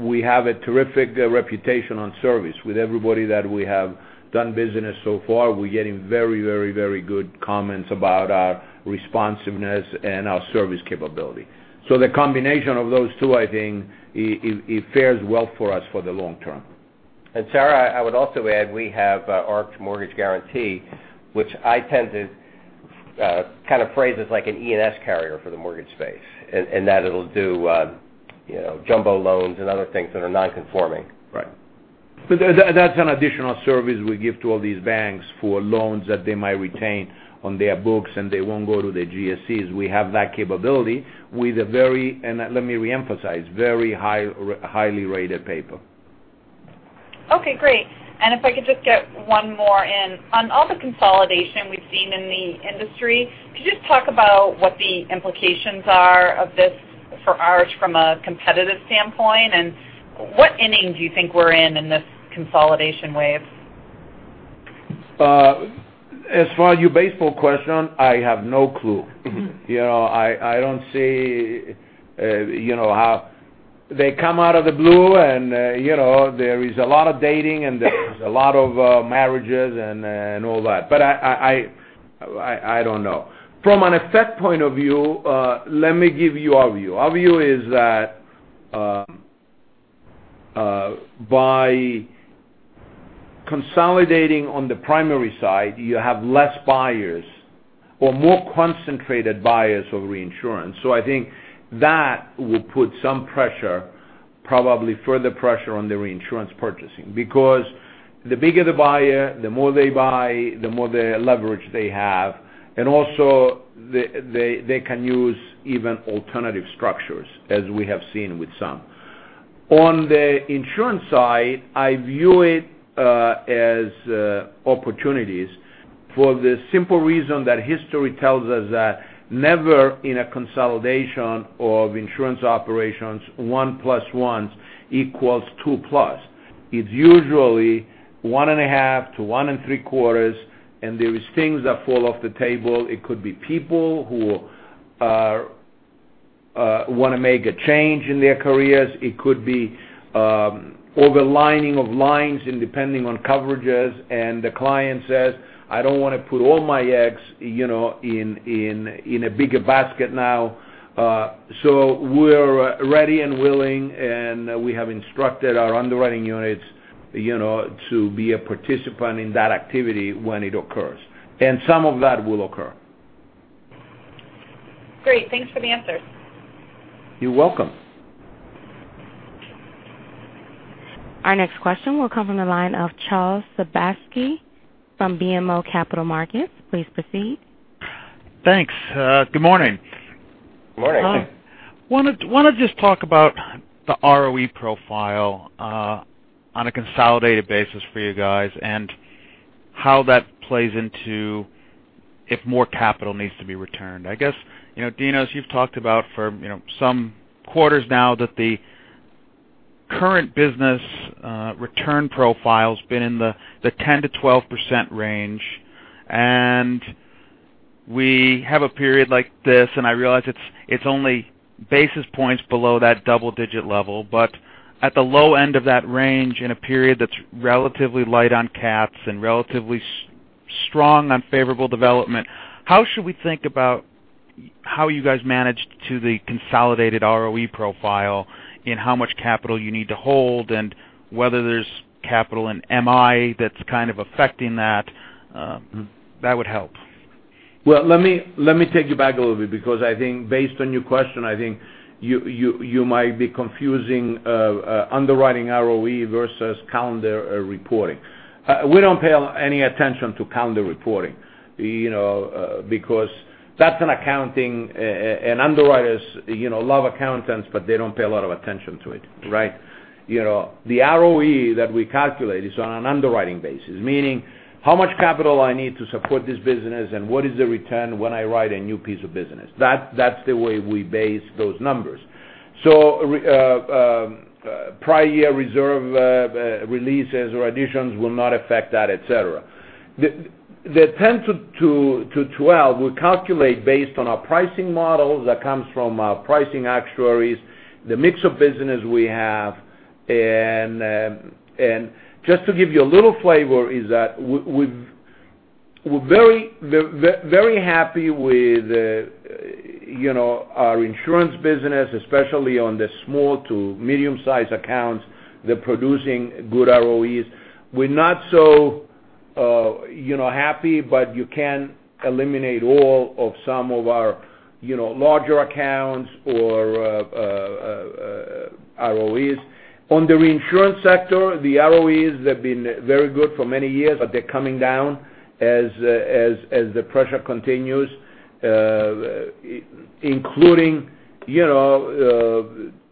Speaker 2: We have a terrific reputation on service with everybody that we have done business so far. We're getting very good comments about our responsiveness and our service capability. The combination of those two, I think, it fares well for us for the long term.
Speaker 3: Sarah, I would also add, we have Arch Mortgage Guaranty, which I tend to kind of phrase as like an E&S carrier for the mortgage space, that it'll do jumbo loans and other things that are non-conforming.
Speaker 2: Right. That's an additional service we give to all these banks for loans that they might retain on their books, and they won't go to the GSEs. We have that capability with a very, and let me reemphasize, very highly rated paper.
Speaker 5: Okay, great. If I could just get one more in. On all the consolidation we've seen in the industry, could you just talk about what the implications are of this for Arch from a competitive standpoint? What inning do you think we're in this consolidation wave?
Speaker 2: As far your baseball question, I have no clue. I don't see how they come out of the blue, and there is a lot of dating and there is a lot of marriages and all that, but I don't know. From an effect point of view, let me give you our view. Our view is that by consolidating on the primary side, you have less buyers or more concentrated buyers of reinsurance. I think that will put some pressure, probably further pressure on the reinsurance purchasing, because the bigger the buyer, the more they buy, the more the leverage they have, and also they can use even alternative structures, as we have seen with some. On the insurance side, I view it as opportunities for the simple reason that history tells us that never in a consolidation of insurance operations, one plus one equals two plus. It's usually one and a half to one and three quarters, and there is things that fall off the table. It could be people who want to make a change in their careers. It could be overlining of lines and depending on coverages, and the client says, "I don't want to put all my eggs in a bigger basket now." We're ready and willing, and we have instructed our underwriting units to be a participant in that activity when it occurs. Some of that will occur.
Speaker 5: Great. Thanks for the answers.
Speaker 2: You're welcome.
Speaker 1: Our next question will come from the line of Charles Sebaski from BMO Capital Markets. Please proceed.
Speaker 6: Thanks. Good morning.
Speaker 2: Morning.
Speaker 6: I wanted to just talk about the ROE profile on a consolidated basis for you guys, and how that plays into if more capital needs to be returned. I guess, Dinos, as you've talked about for some quarters now that the current business return profile's been in the 10%-12% range. We have a period like this, and I realize it's only basis points below that double-digit level. At the low end of that range in a period that's relatively light on cats and relatively strong on favorable development, how should we think about how you guys managed to the consolidated ROE profile and how much capital you need to hold? And whether there's capital in MI that's kind of affecting that? That would help.
Speaker 2: Let me take you back a little bit because I think based on your question, I think you might be confusing underwriting ROE versus calendar reporting. We don't pay any attention to calendar reporting because that's an accounting. Underwriters love accountants, but they don't pay a lot of attention to it, right? The ROE that we calculate is on an underwriting basis, meaning how much capital I need to support this business, and what is the return when I write a new piece of business? That's the way we base those numbers. Prior year reserve releases or additions will not affect that, et cetera. The 10-12, we calculate based on our pricing model that comes from our pricing actuaries, the mix of business we have. Just to give you a little flavor is that we're very happy with our insurance business, especially on the small to medium-size accounts. They're producing good ROEs. We're not so happy, but you can eliminate all of some of our larger accounts or ROEs. On the reinsurance sector, the ROEs have been very good for many years, but they're coming down as the pressure continues, including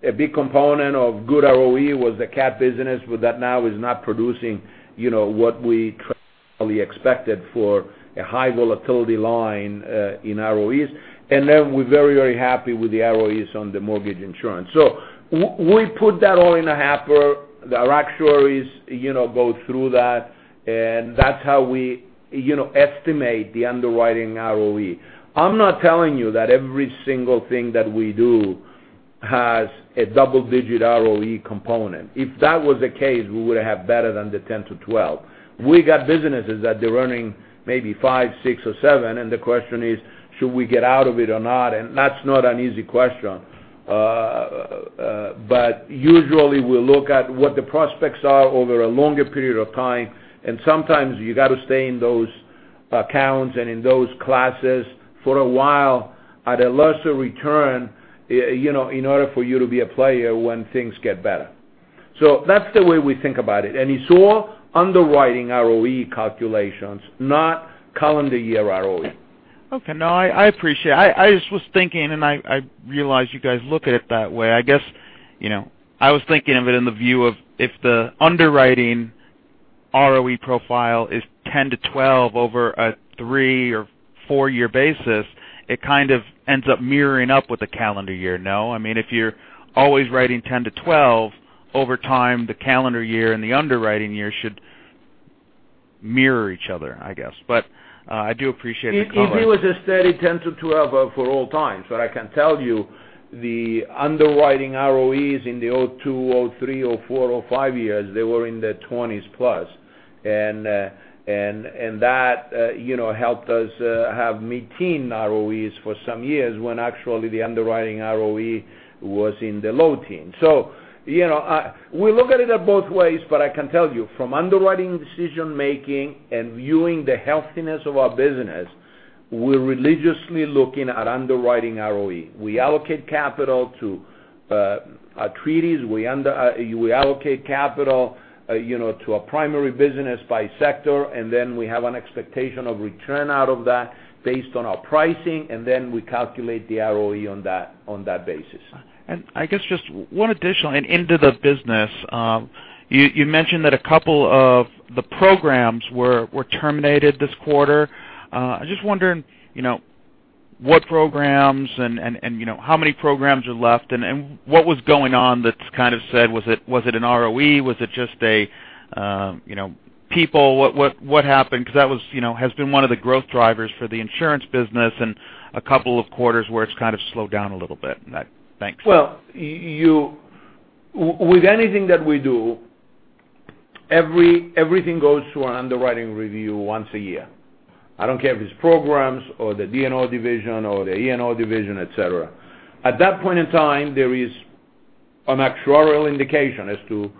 Speaker 2: a big component of good ROE was the cat business, but that now is not producing what we traditionally expected for a high volatility line in ROEs. We're very happy with the ROEs on the mortgage insurance. We put that all in a hat, our actuaries go through that, and that's how we estimate the underwriting ROE. I'm not telling you that every single thing that we do has a double-digit ROE component. If that was the case, we would have better than the 10 to 12. We got businesses that they're running maybe five, six, or seven, and the question is, should we get out of it or not? That's not an easy question. Usually we'll look at what the prospects are over a longer period of time, and sometimes you got to stay in those accounts and in those classes for a while at a lesser return, in order for you to be a player when things get better. That's the way we think about it. You saw underwriting ROE calculations, not calendar year ROE.
Speaker 6: Okay. No, I appreciate. I just was thinking. I realize you guys look at it that way. I was thinking of it in the view of, if the underwriting ROE profile is 10 to 12 over a three or four-year basis, it kind of ends up mirroring up with the calendar year, no? If you're always writing 10 to 12, over time, the calendar year and the underwriting year should mirror each other, I guess. I do appreciate the color.
Speaker 2: If it was a steady 10 to 12 for all times. I can tell you, the underwriting ROEs in the 2002, 2003, 2004, 2005 years, they were in the 20s plus. That helped us have mid-teen ROEs for some years, when actually the underwriting ROE was in the low teen. We look at it at both ways, but I can tell you, from underwriting decision making and viewing the healthiness of our business, we're religiously looking at underwriting ROE. We allocate capital to our treaties. We allocate capital to our primary business by sector, and then we have an expectation of return out of that based on our pricing, and then we calculate the ROE on that basis.
Speaker 6: I guess just one additional and into the business. You mentioned that a couple of the programs were terminated this quarter. I'm just wondering what programs and how many programs are left and what was going on that's kind of said, was it an ROE? Was it just people? What happened? That has been one of the growth drivers for the insurance business and a couple of quarters where it's kind of slowed down a little bit. Thanks.
Speaker 2: Well, with anything that we do, everything goes to an underwriting review once a year. I don't care if it's programs or the D&O division or the E&O division, et cetera. At that point in time, there is an actuarial indication as to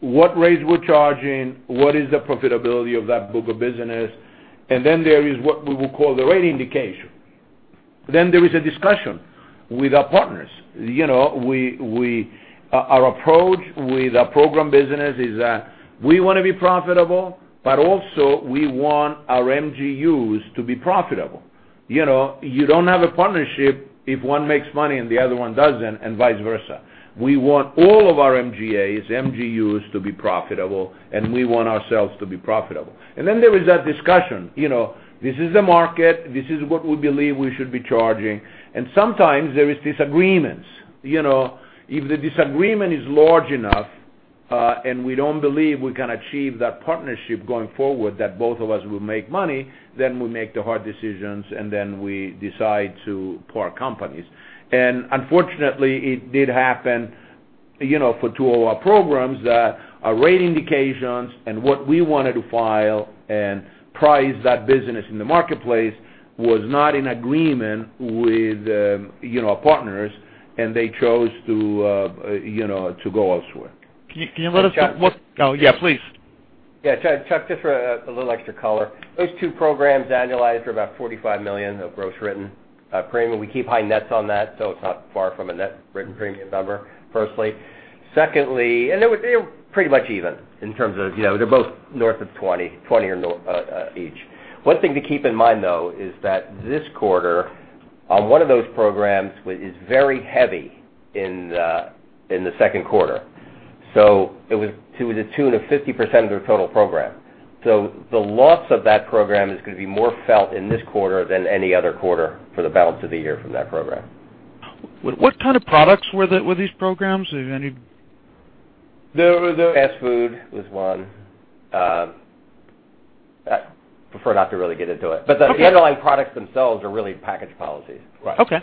Speaker 2: what rates we're charging, what is the profitability of that book of business, and there is what we will call the rate indication. There is a discussion with our partners. Our approach with our program business is that we want to be profitable, but also we want our MGUs to be profitable. You don't have a partnership if one makes money and the other one doesn't, and vice versa. We want all of our MGAs, MGUs to be profitable, and we want ourselves to be profitable. There is that discussion. This is the market. This is what we believe we should be charging. Sometimes there is disagreements. If the disagreement is large enough, and we don't believe we can achieve that partnership going forward that both of us will make money, we make the hard decisions, and then we decide to part companies. Unfortunately, it did happen for two of our programs that our rate indications and what we wanted to file and price that business in the marketplace was not in agreement with our partners, and they chose to go elsewhere.
Speaker 6: Can you let us know what? Oh, yeah, please.
Speaker 3: Yeah, Chuck, just for a little extra color. Those two programs annualized are about $45 million of gross written premium. We keep high nets on that, so it's not far from a net written premium number, firstly. Secondly, they were pretty much even in terms of they're both north of 20 or north each. One thing to keep in mind, though, is that this quarter on one of those programs is very heavy in the second quarter. It was to a tune of 50% of their total program. The loss of that program is going to be more felt in this quarter than any other quarter for the balance of the year from that program.
Speaker 6: What kind of products were these programs? Do you have any
Speaker 3: The S-word was one. I prefer not to really get into it.
Speaker 6: Okay.
Speaker 3: The underlying products themselves are really package policies.
Speaker 6: Okay.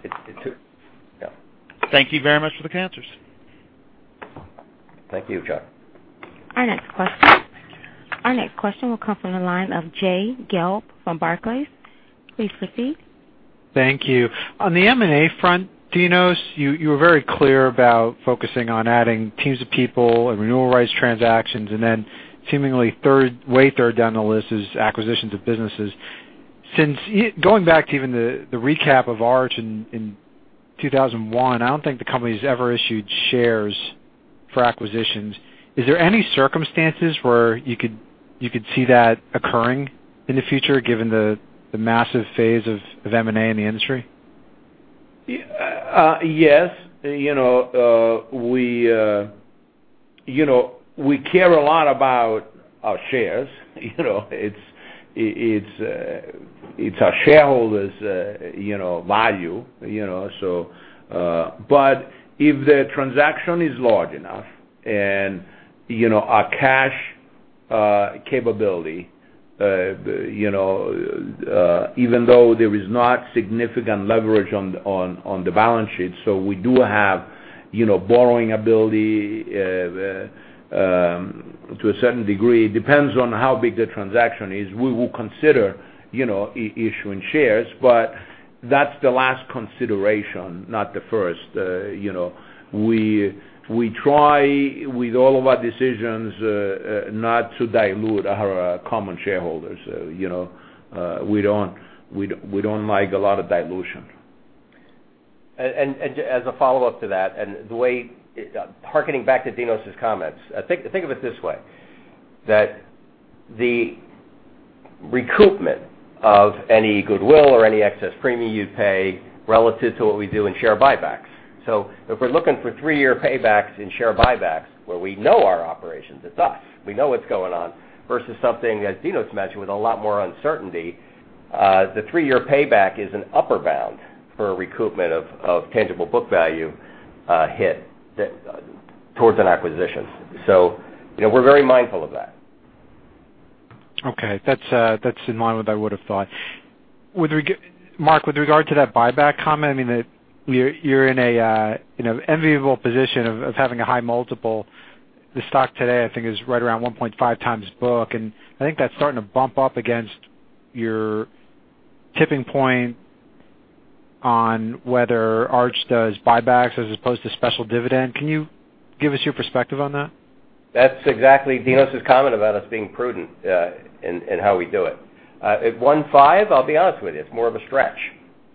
Speaker 3: Yeah.
Speaker 6: Thank you very much for the answers.
Speaker 3: Thank you, Chuck.
Speaker 1: Our next question will come from the line of Jay Gelb from Barclays. Please proceed.
Speaker 7: Thank you. On the M&A front, Dinos, you were very clear about focusing on adding teams of people and renewal rights transactions, then seemingly way third down the list is acquisitions of businesses. Going back to even the recap of Arch in 2001, I don't think the company's ever issued shares for acquisitions. Is there any circumstances where you could see that occurring in the future given the massive phase of M&A in the industry?
Speaker 2: Yes. We care a lot about our shares. It's our shareholders' value. If the transaction is large enough and our cash capability, even though there is not significant leverage on the balance sheet, we do have borrowing ability to a certain degree. Depends on how big the transaction is. We will consider issuing shares, that's the last consideration, not the first. We try with all of our decisions, not to dilute our common shareholders. We don't like a lot of dilution.
Speaker 3: As a follow-up to that, harkening back to Dinos' comments, think of it this way, that the recoupment of any goodwill or any excess premium you'd pay relative to what we do in share buybacks. If we're looking for three-year paybacks in share buybacks where we know our operations, it's us, we know what's going on, versus something, as Dinos mentioned, with a lot more uncertainty, the three-year payback is an upper bound for a recoupment of tangible book value hit towards an acquisition. We're very mindful of that.
Speaker 7: Okay. That's in line with what I would've thought. Marc, with regard to that buyback comment, you're in an enviable position of having a high multiple. The stock today, I think, is right around 1.5x book, I think that's starting to bump up against your tipping point on whether Arch does buybacks as opposed to special dividend. Can you give us your perspective on that?
Speaker 3: That's exactly Dinos' comment about us being prudent in how we do it. At 1.5, I'll be honest with you, it's more of a stretch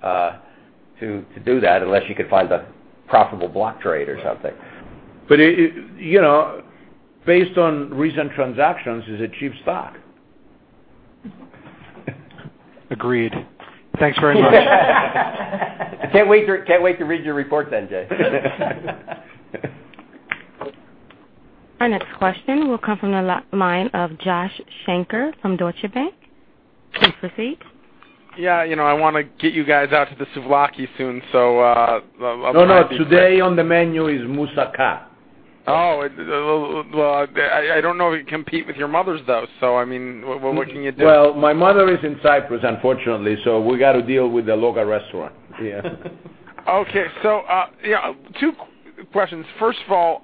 Speaker 3: to do that unless you could find a profitable block trade or something.
Speaker 2: Based on recent transactions, it's a cheap stock.
Speaker 7: Agreed. Thanks very much.
Speaker 3: I can't wait to read your report then, Jay.
Speaker 1: Our next question will come from the line of Joshua Shanker from Deutsche Bank. Please proceed.
Speaker 8: Yeah. I want to get you guys out to the souvlaki soon.
Speaker 2: No. Today on the menu is moussaka.
Speaker 8: Oh. Well, I don't know if it compete with your mother's, though, what can you do?
Speaker 2: Well, my mother is in Cyprus, unfortunately, we got to deal with the local restaurant. Yeah.
Speaker 8: Okay. Two questions. First of all,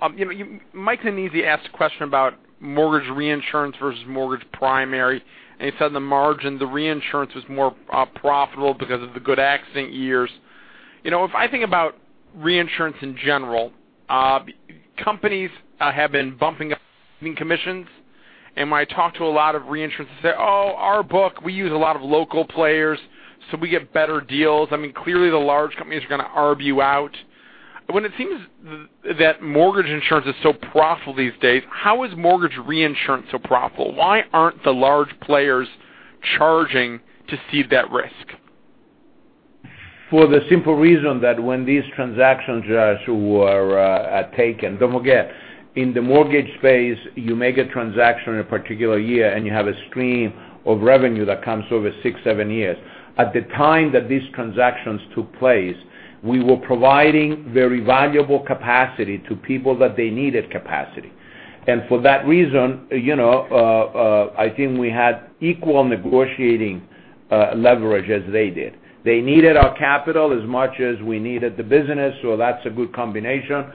Speaker 8: Michael Nannizzi asked a question about mortgage reinsurance versus mortgage primary, he said on the margin, the reinsurance was more profitable because of the good accident years. If I think about reinsurance in general, companies have been bumping up commissions, when I talk to a lot of reinsurance, they say, "Oh, our book, we use a lot of local players, we get better deals." Clearly, the large companies are going to arb you out. When it seems that mortgage insurance is so profitable these days, how is mortgage reinsurance so profitable? Why aren't the large players charging to cede that risk?
Speaker 2: For the simple reason that when these transactions, Josh, were taken, don't forget, in the mortgage space, you make a transaction in a particular year, and you have a stream of revenue that comes over six, seven years. At the time that these transactions took place, we were providing very valuable capacity to people that they needed capacity. For that reason, I think we had equal negotiating leverage as they did. They needed our capital as much as we needed the business, that's a good combination.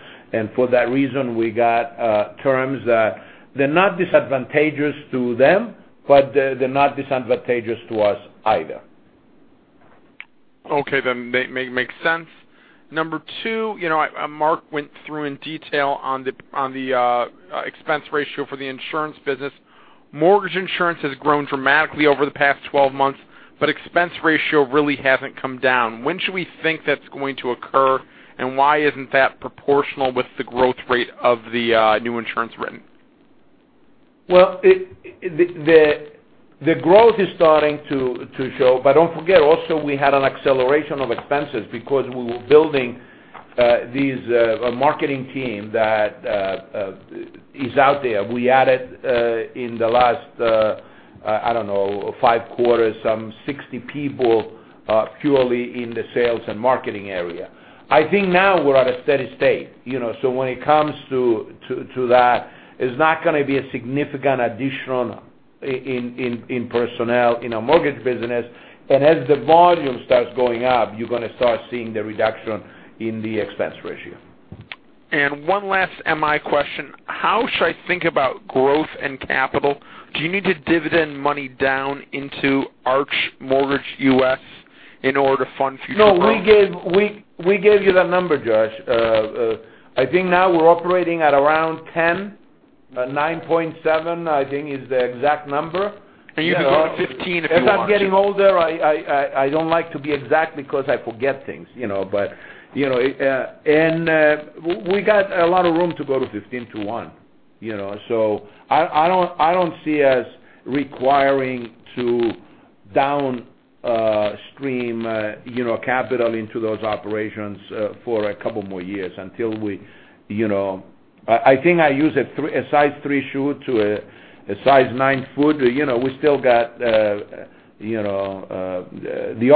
Speaker 2: For that reason, we got terms that they're not disadvantageous to them, but they're not disadvantageous to us either.
Speaker 8: Okay. Makes sense. Number two, Marc went through in detail on the expense ratio for the insurance business. Mortgage insurance has grown dramatically over the past 12 months, expense ratio really hasn't come down. When should we think that's going to occur, and why isn't that proportional with the growth rate of the new insurance written?
Speaker 2: Well, the growth is starting to show, don't forget, also, we had an acceleration of expenses because we were building these marketing team that is out there. We added, in the last, I don't know, five quarters, some 60 people purely in the sales and marketing area. I think now we're at a steady state. When it comes to that, it's not going to be a significant additional in personnel in our mortgage business. As the volume starts going up, you're going to start seeing the reduction in the expense ratio.
Speaker 8: One last MI question. How should I think about growth and capital? Do you need to dividend money down into Arch Mortgage US in order to fund future growth?
Speaker 2: No. We gave you that number, Josh. I think now we're operating at around 10. 9.7, I think is the exact number.
Speaker 8: You can go to 15 if you want to.
Speaker 2: As I'm getting older, I don't like to be exact because I forget things. We got a lot of room to go to 15 to one. I don't see us requiring downstream capital into those operations for a couple more years. I think I use a size 3 shoe to a size 9 foot. We still got the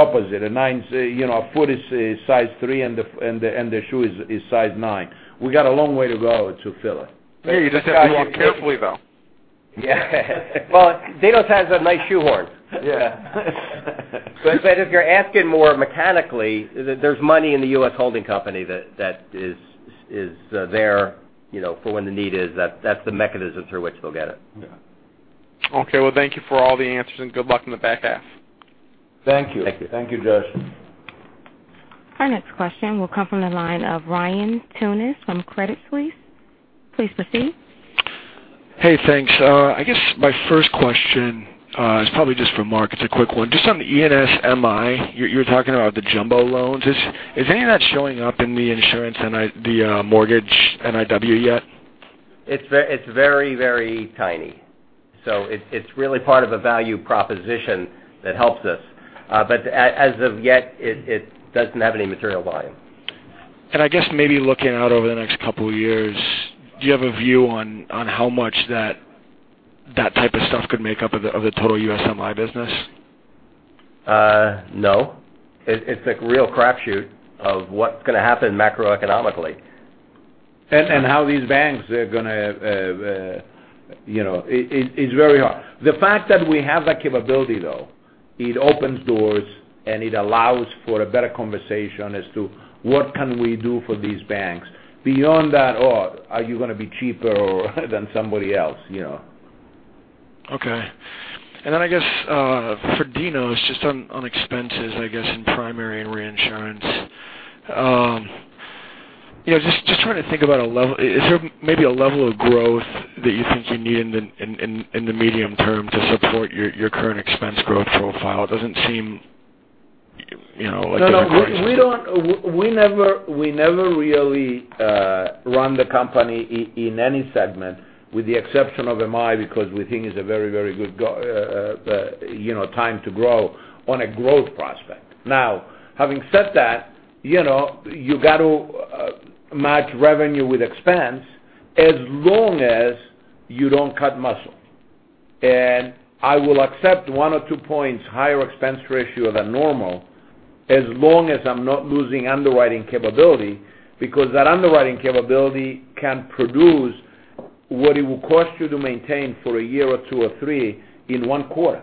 Speaker 2: opposite. A foot is size 3 and the shoe is size 9. We got a long way to go to fill it.
Speaker 8: Hey, you just have to walk carefully, though.
Speaker 3: Yeah. Well, Dinos has a nice shoehorn.
Speaker 2: Yeah.
Speaker 3: If you're asking more mechanically, there's money in the U.S. holding company that is there for when the need is. That's the mechanism through which they'll get it.
Speaker 2: Yeah.
Speaker 8: Okay. Well, thank you for all the answers, good luck in the back half.
Speaker 2: Thank you.
Speaker 3: Thank you.
Speaker 2: Thank you, Josh.
Speaker 1: Our next question will come from the line of Ryan Tunis from Credit Suisse. Please proceed.
Speaker 9: Hey, thanks. I guess my first question is probably just for Marc. It's a quick one. Just on the E&S MI, you were talking about the jumbo loans. Is any of that showing up in the insurance and the mortgage NIW yet?
Speaker 3: It's very, very tiny. It's really part of a value proposition that helps us. As of yet, it doesn't have any material volume.
Speaker 9: I guess maybe looking out over the next couple of years, do you have a view on how much that type of stuff could make up of the total U.S. MI business?
Speaker 3: No. It's a real crapshoot of what's going to happen macroeconomically.
Speaker 2: It's very hard. The fact that we have that capability, though, it opens doors and it allows for a better conversation as to what can we do for these banks beyond that, "Oh, are you going to be cheaper than somebody else?
Speaker 9: Okay. Then I guess for Dinos, just on expenses, I guess, in primary and reinsurance. Just trying to think about a level. Is there maybe a level of growth that you think you need in the medium term to support your current expense growth profile? It doesn't seem like-
Speaker 2: No, we never really run the company in any segment, with the exception of MI, because we think it's a very good time to grow on a growth prospect. Having said that, you got to match revenue with expense as long as you don't cut muscle. I will accept one or two points higher expense ratio than normal as long as I'm not losing underwriting capability, because that underwriting capability can produce what it will cost you to maintain for a year or two or three in one quarter.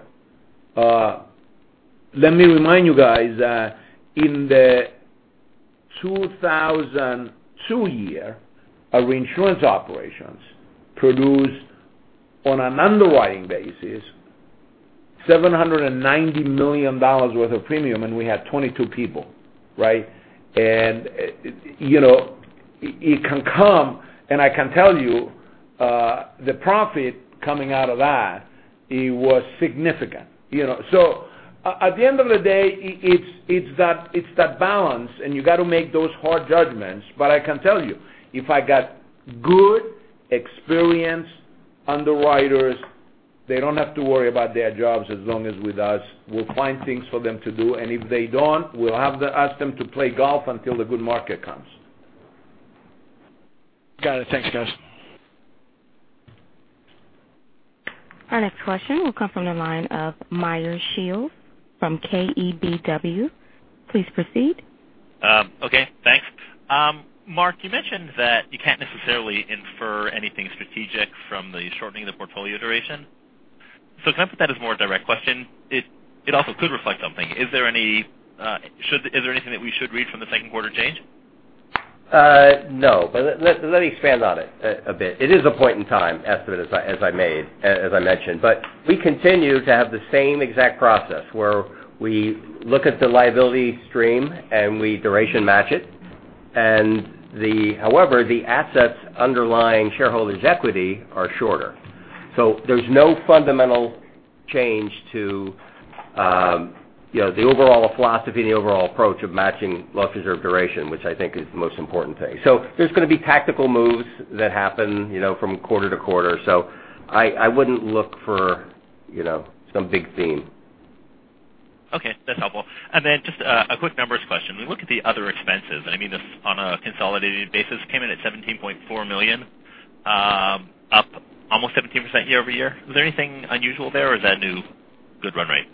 Speaker 2: Let me remind you guys, in the 2002 year, our reinsurance operations produced, on an underwriting basis, $790 million worth of premium, and we had 22 people. Right? It can come, and I can tell you, the profit coming out of that, it was significant. At the end of the day, it's that balance, and you got to make those hard judgments. I can tell you, if I got good, experienced underwriters, they don't have to worry about their jobs as long as with us. We'll find things for them to do, and if they don't, we'll have to ask them to play golf until the good market comes.
Speaker 9: Got it. Thanks, guys.
Speaker 1: Our next question will come from the line of Meyer Shields from KBW. Please proceed.
Speaker 10: Okay, thanks. Marc, you mentioned that you can't necessarily infer anything strategic from the shortening of the portfolio duration. Can I put that as a more direct question? It also could reflect something. Is there anything that we should read from the second quarter change?
Speaker 3: No, let me expand on it a bit. It is a point in time estimate as I mentioned. We continue to have the same exact process where we look at the liability stream and we duration match it. However, the assets underlying shareholders' equity are shorter. There's no fundamental change to the overall philosophy and the overall approach of matching loss reserve duration, which I think is the most important thing. There's going to be tactical moves that happen from quarter to quarter. I wouldn't look for some big theme.
Speaker 10: Okay, that's helpful. Just a quick numbers question. We look at the other expenses, and I mean this on a consolidated basis, came in at $17.4 million, up almost 17% year-over-year. Was there anything unusual there or is that new good run rate?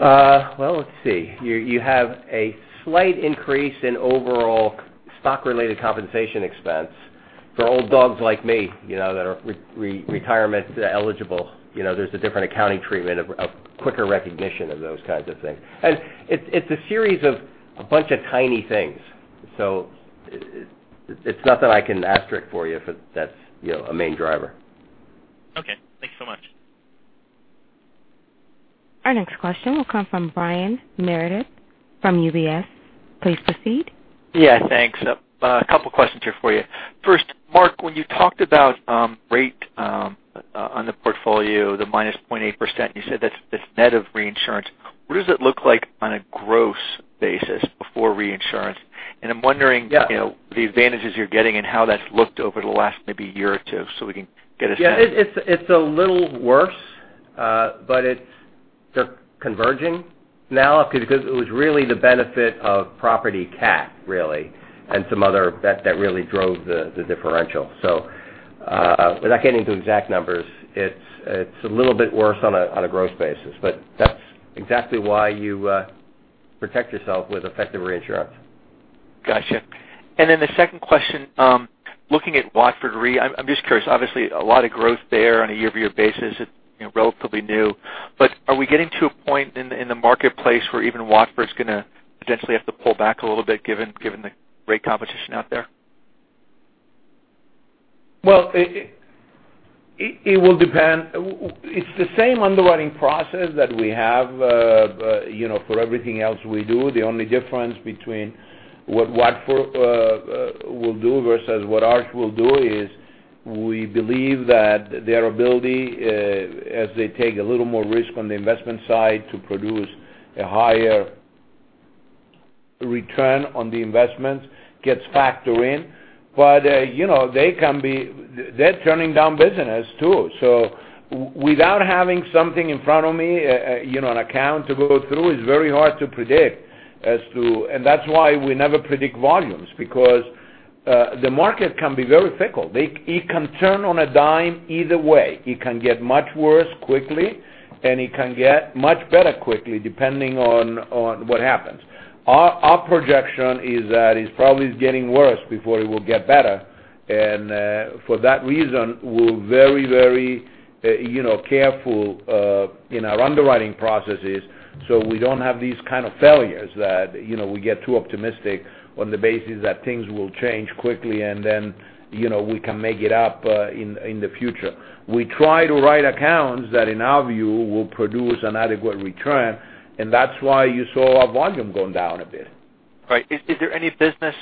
Speaker 3: Well, let's see. You have a slight increase in overall stock-related compensation expense for old dogs like me, that are retirement eligible. There's a different accounting treatment of quicker recognition of those kinds of things. It's a series of a bunch of tiny things. It's not that I can asterisk for you if that's a main driver.
Speaker 10: Okay, thanks so much.
Speaker 1: Our next question will come from Brian Meredith from UBS. Please proceed.
Speaker 11: Yeah, thanks. A couple questions here for you. First, Marc, when you talked about rate on the portfolio, the minus 0.8%, you said that's net of reinsurance. What does it look like on a gross basis before reinsurance? I'm wondering-
Speaker 3: Yeah
Speaker 11: the advantages you're getting and how that's looked over the last maybe year or two, so we can get a sense.
Speaker 3: Yeah, it's a little worse, it's converging now because it was really the benefit of property cat, really, and some other that really drove the differential. Without getting into exact numbers, it's a little bit worse on a growth basis. That's exactly why you protect yourself with effective reinsurance.
Speaker 11: Got you. The second question, looking at Watford Re, I'm just curious, obviously a lot of growth there on a year-over-year basis, relatively new. Are we getting to a point in the marketplace where even Watford's going to potentially have to pull back a little bit given the great competition out there?
Speaker 2: Well, it will depend. It's the same underwriting process that we have for everything else we do. The only difference between what Watford will do versus what Arch will do is we believe that their ability as they take a little more risk on the investment side to produce a higher return on the investment gets factored in. They're turning down business too. Without having something in front of me, an account to go through, it's very hard to predict as to That's why we never predict volumes, because the market can be very fickle. It can turn on a dime either way. It can get much worse quickly, and it can get much better quickly, depending on what happens. Our projection is that it's probably is getting worse before it will get better. For that reason, we're very careful in our underwriting processes. We don't have these kind of failures that we get too optimistic on the basis that things will change quickly. Then we can make it up in the future. We try to write accounts that, in our view, will produce an adequate return. That's why you saw our volume going down a bit.
Speaker 11: Right. Is there any business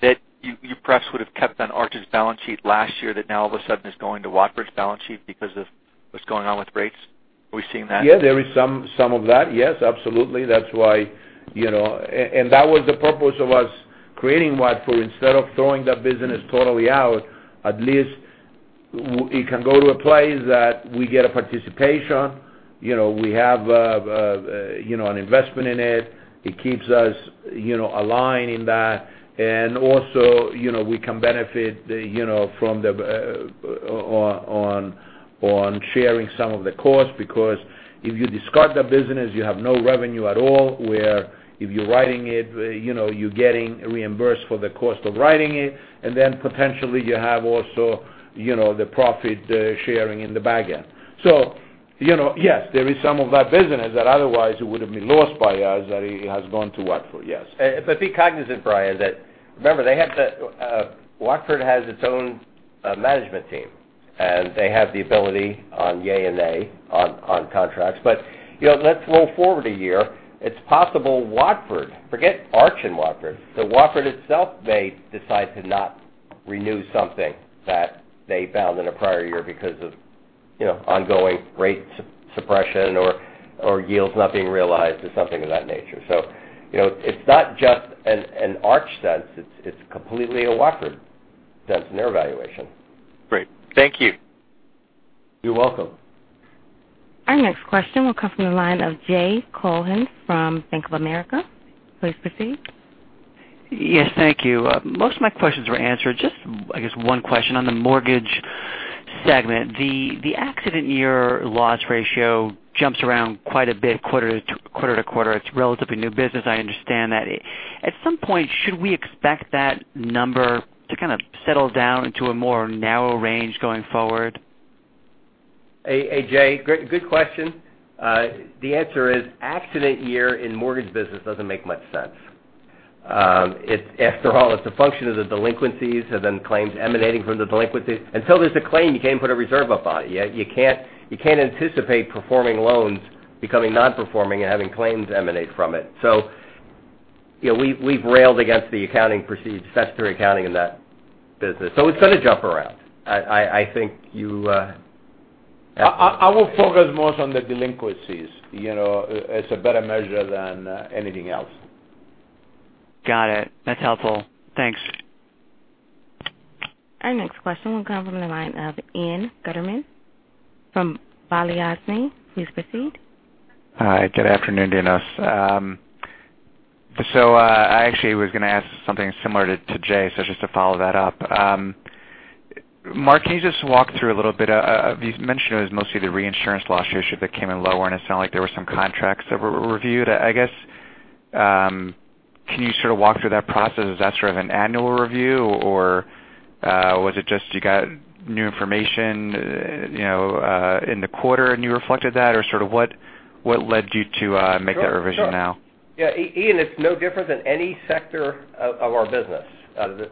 Speaker 11: that you perhaps would have kept on Arch's balance sheet last year that now all of a sudden is going to Watford's balance sheet because of what's going on with rates? Are we seeing that?
Speaker 2: Yeah, there is some of that. Yes, absolutely. That was the purpose of us creating Watford. Instead of throwing that business totally out, at least it can go to a place that we get a participation. We have an investment in it. It keeps us aligned in that. Also, we can benefit on sharing some of the cost because if you discard the business, you have no revenue at all, where if you're writing it, you're getting reimbursed for the cost of writing it. Then potentially you have also the profit sharing in the back end. Yes, there is some of that business that otherwise would have been lost by us that has gone to Watford, yes.
Speaker 3: Be cognizant, Brian, that remember, Watford has its own management team. They have the ability on yay and nay on contracts. Let's roll forward a year. It's possible Watford, forget Arch and Watford. Watford itself may decide to not renew something that they found in a prior year because of ongoing rate suppression or yields not being realized or something of that nature. It's not just an Arch sense. It's completely a Watford sense and their evaluation.
Speaker 11: Great. Thank you.
Speaker 3: You're welcome.
Speaker 1: Our next question will come from the line of Jay Cohen from Bank of America. Please proceed.
Speaker 12: Yes, thank you. Most of my questions were answered. Just, I guess one question on the mortgage segment. The accident year loss ratio jumps around quite a bit quarter to quarter to quarter. It's relatively new business, I understand that. At some point, should we expect that number to kind of settle down into a more narrow range going forward?
Speaker 3: Hey, Jay, good question. The answer is accident year in mortgage business doesn't make much sense. After all, it's a function of the delinquencies and then claims emanating from the delinquencies. Until there's a claim, you can't put a reserve up on it yet. You can't anticipate performing loans becoming non-performing and having claims emanate from it. We've railed against the accounting proceeds, statutory accounting in that business. It's going to jump around.
Speaker 2: I will focus more on the delinquencies. It's a better measure than anything else.
Speaker 12: Got it. That's helpful. Thanks.
Speaker 1: Our next question will come from the line of Ian Gutterman from Balyasny. Please proceed.
Speaker 13: Hi. Good afternoon to you, guys. I actually was going to ask something similar to Jay, just to follow that up. Marc, can you just walk through a little bit, you mentioned it was mostly the reinsurance loss ratio that came in lower, and it sounded like there were some contracts that were reviewed, I guess. Can you sort of walk through that process? Is that sort of an annual review, or was it just you got new information in the quarter and you reflected that? Or sort of what led you to make that revision now?
Speaker 3: Sure. Yeah, Ian, it's no different than any sector of our business.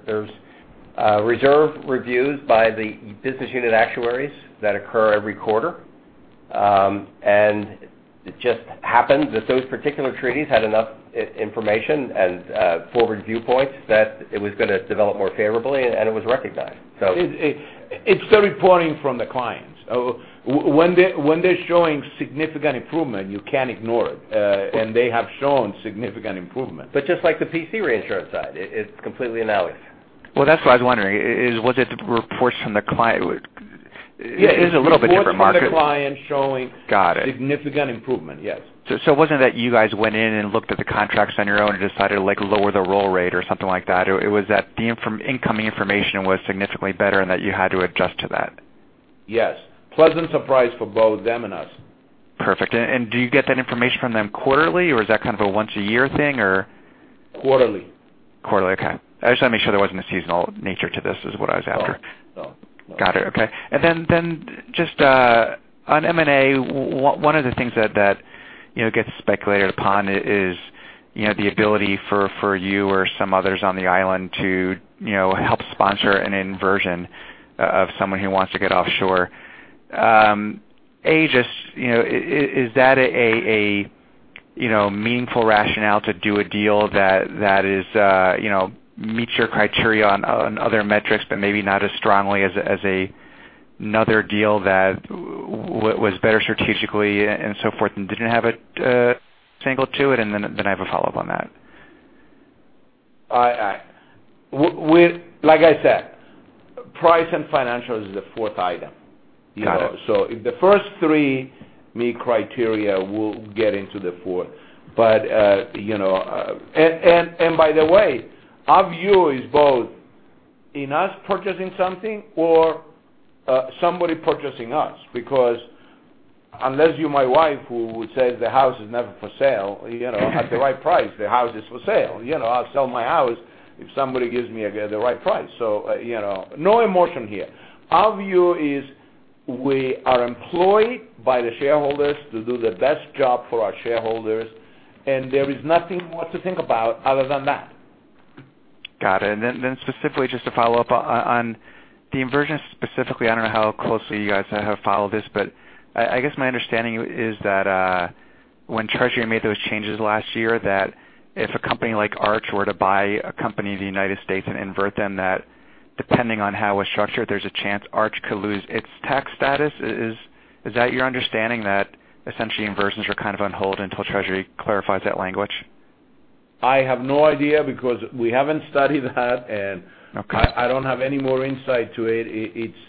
Speaker 3: There's reserve reviews by the business unit actuaries that occur every quarter. It just happened that those particular treaties had enough information and forward viewpoints that it was going to develop more favorably, and it was recognized so.
Speaker 2: It's the reporting from the clients. When they're showing significant improvement, you can't ignore it. They have shown significant improvement.
Speaker 3: Just like the PC reinsurance side, it's completely analogous.
Speaker 13: Well, that's why I was wondering, was it reports from the client? It is a little bit different market.
Speaker 2: It was from the client showing-
Speaker 13: Got it.
Speaker 2: significant improvement. Yes.
Speaker 13: It wasn't that you guys went in and looked at the contracts on your own and decided to lower the roll rate or something like that. It was that the incoming information was significantly better and that you had to adjust to that.
Speaker 2: Yes. Pleasant surprise for both them and us.
Speaker 13: Perfect. Do you get that information from them quarterly or is that kind of a once a year thing or?
Speaker 2: Quarterly.
Speaker 13: Quarterly. Okay. I just want to make sure there wasn't a seasonal nature to this is what I was after.
Speaker 2: No.
Speaker 13: Got it. Okay. Just on M&A, one of the things that gets speculated upon is the ability for you or some others on the island to help sponsor an inversion of someone who wants to get offshore. Just is that a meaningful rationale to do a deal that meets your criteria on other metrics but maybe not as strongly as another deal that was better strategically and so forth and didn't have an angle to it, I have a follow-up on that.
Speaker 2: Like I said, price and financial is the fourth item.
Speaker 13: Got it.
Speaker 2: If the first three meet criteria, we'll get into the fourth. By the way, our view is both in us purchasing something or somebody purchasing us because unless you're my wife who says the house is never for sale, at the right price, the house is for sale. I'll sell my house if somebody gives me the right price. No emotion here. Our view is we are employed by the shareholders to do the best job for our shareholders, there is nothing more to think about other than that.
Speaker 13: Got it. Specifically just to follow up on the inversion specifically, I don't know how closely you guys have followed this, but I guess my understanding is that when Treasury made those changes last year, that if a company like Arch were to buy a company in the United States and invert them, that depending on how it was structured, there's a chance Arch could lose its tax status. Is that your understanding that essentially inversions are kind of on hold until Treasury clarifies that language?
Speaker 2: I have no idea because we haven't studied that.
Speaker 13: Okay
Speaker 2: I don't have any more insight to it.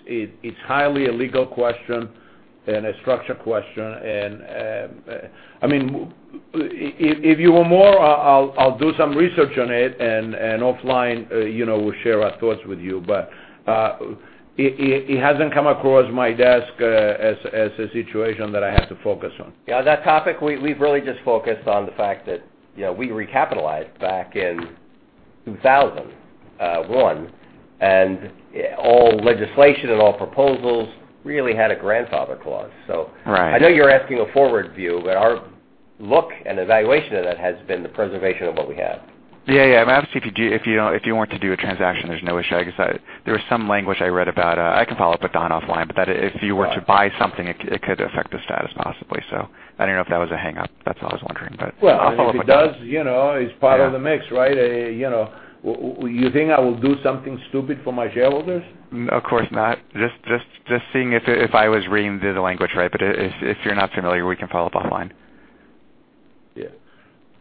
Speaker 2: It's highly a legal question and a structure question if you want more, I'll do some research on it and offline we'll share our thoughts with you. It hasn't come across my desk as a situation that I have to focus on.
Speaker 3: Yeah. That topic, we've really just focused on the fact that we recapitalized back in 2001, all legislation and all proposals really had a grandfather clause.
Speaker 13: Right
Speaker 3: I know you're asking a forward view, our look and evaluation of that has been the preservation of what we have.
Speaker 13: Yeah. Obviously, if you want to do a transaction, there's no issue. I guess there was some language I read about, I can follow up with Don offline, that if you were to buy something, it could affect the status possibly. I don't know if that was a hang-up. That's all I was wondering, I'll follow up with Don.
Speaker 2: Well, if it does, it's part of the mix, right? You think I will do something stupid for my shareholders?
Speaker 13: No, of course not. Just seeing if I was reading the language right. If you're not familiar, we can follow up offline.
Speaker 2: Yeah.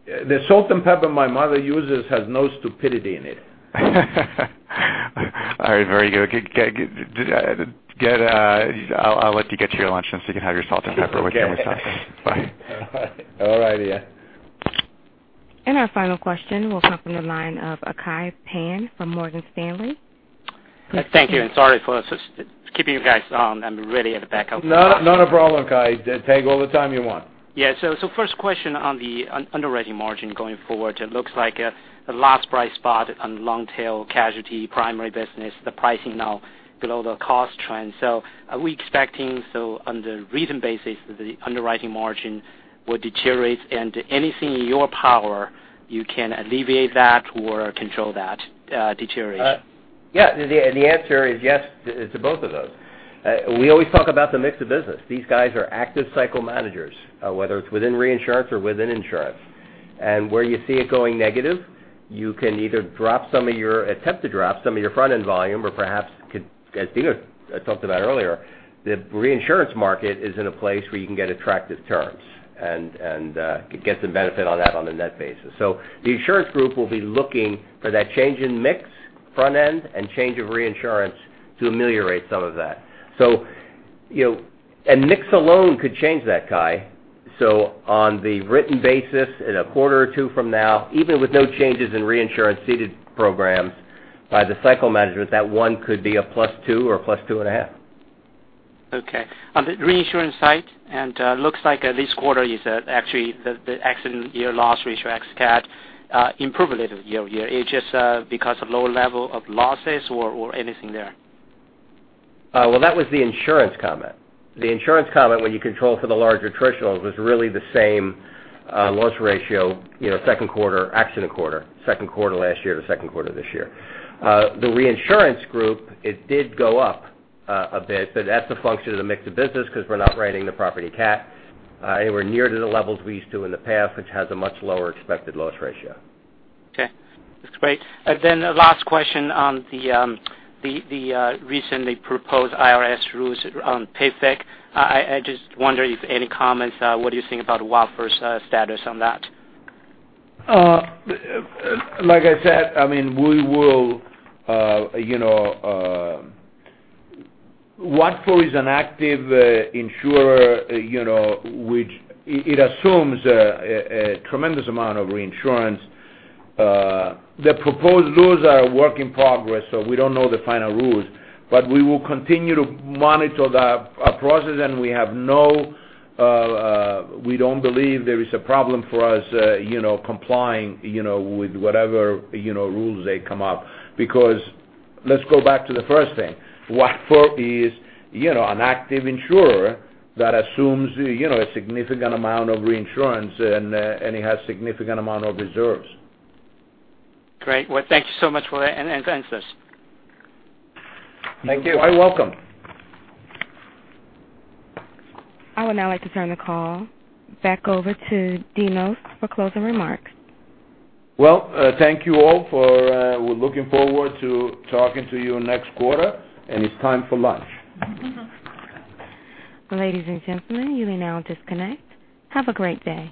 Speaker 2: The salt and pepper my mother uses has no stupidity in it.
Speaker 13: All right, very good. I'll let you get to your lunch since you can have your salt and pepper with your moussaka. Bye.
Speaker 2: All right. Yeah.
Speaker 1: Our final question will come from the line of Kai Pan from Morgan Stanley.
Speaker 14: Thank you. Sorry for keeping you guys on. I'm really at a backup.
Speaker 2: Not a problem, Kai. Take all the time you want.
Speaker 14: Yeah. First question on the underwriting margin going forward, it looks like the last price spot on long tail casualty primary business, the pricing now below the cost trend. Are we expecting, on the written basis, the underwriting margin will deteriorate? Anything in your power you can alleviate that or control that deteriorate?
Speaker 3: Yeah. The answer is yes to both of those. We always talk about the mix of business. These guys are active cycle managers, whether it's within reinsurance or within insurance. Where you see it going negative, you can either attempt to drop some of your front-end volume or perhaps could, as Dino talked about earlier, the reinsurance market is in a place where you can get attractive terms and could get some benefit on that on a net basis. The insurance group will be looking for that change in mix front end and change of reinsurance to ameliorate some of that. Mix alone could change that, Kai. On the written basis in a quarter or two from now, even with no changes in reinsurance ceded programs by the cycle managers, that one could be a plus two or plus two and a half.
Speaker 14: Okay. On the reinsurance side, looks like this quarter is actually the accident year loss ratio, ex cat improved a little year-over-year. Is it just because of lower level of losses or anything there?
Speaker 3: Well, that was the insurance comment. The insurance comment, when you control for the larger attritionals, was really the same loss ratio second quarter, accident quarter, second quarter last year to second quarter this year. The reinsurance group, it did go up a bit, but that's a function of the mix of business because we're not writing the property cat. We're near to the levels we used to in the past, which has a much lower expected loss ratio.
Speaker 14: Okay. That's great. Last question on the recently proposed IRS rules on PFIC. I just wonder if any comments, what do you think about Watford's status on that?
Speaker 2: Like I said, Watford is an active insurer which it assumes a tremendous amount of reinsurance. The proposed rules are a work in progress, so we don't know the final rules. We will continue to monitor that process, and we don't believe there is a problem for us complying with whatever rules they come up because let's go back to the first thing. Watford is an active insurer that assumes a significant amount of reinsurance, and it has significant amount of reserves.
Speaker 14: Great. Well, thank you so much for that, and thanks for this.
Speaker 3: Thank you.
Speaker 2: You are welcome.
Speaker 1: I would now like to turn the call back over to Dinos for closing remarks.
Speaker 2: Well, thank you all. We're looking forward to talking to you next quarter. It's time for lunch.
Speaker 1: Ladies and gentlemen, you may now disconnect. Have a great day.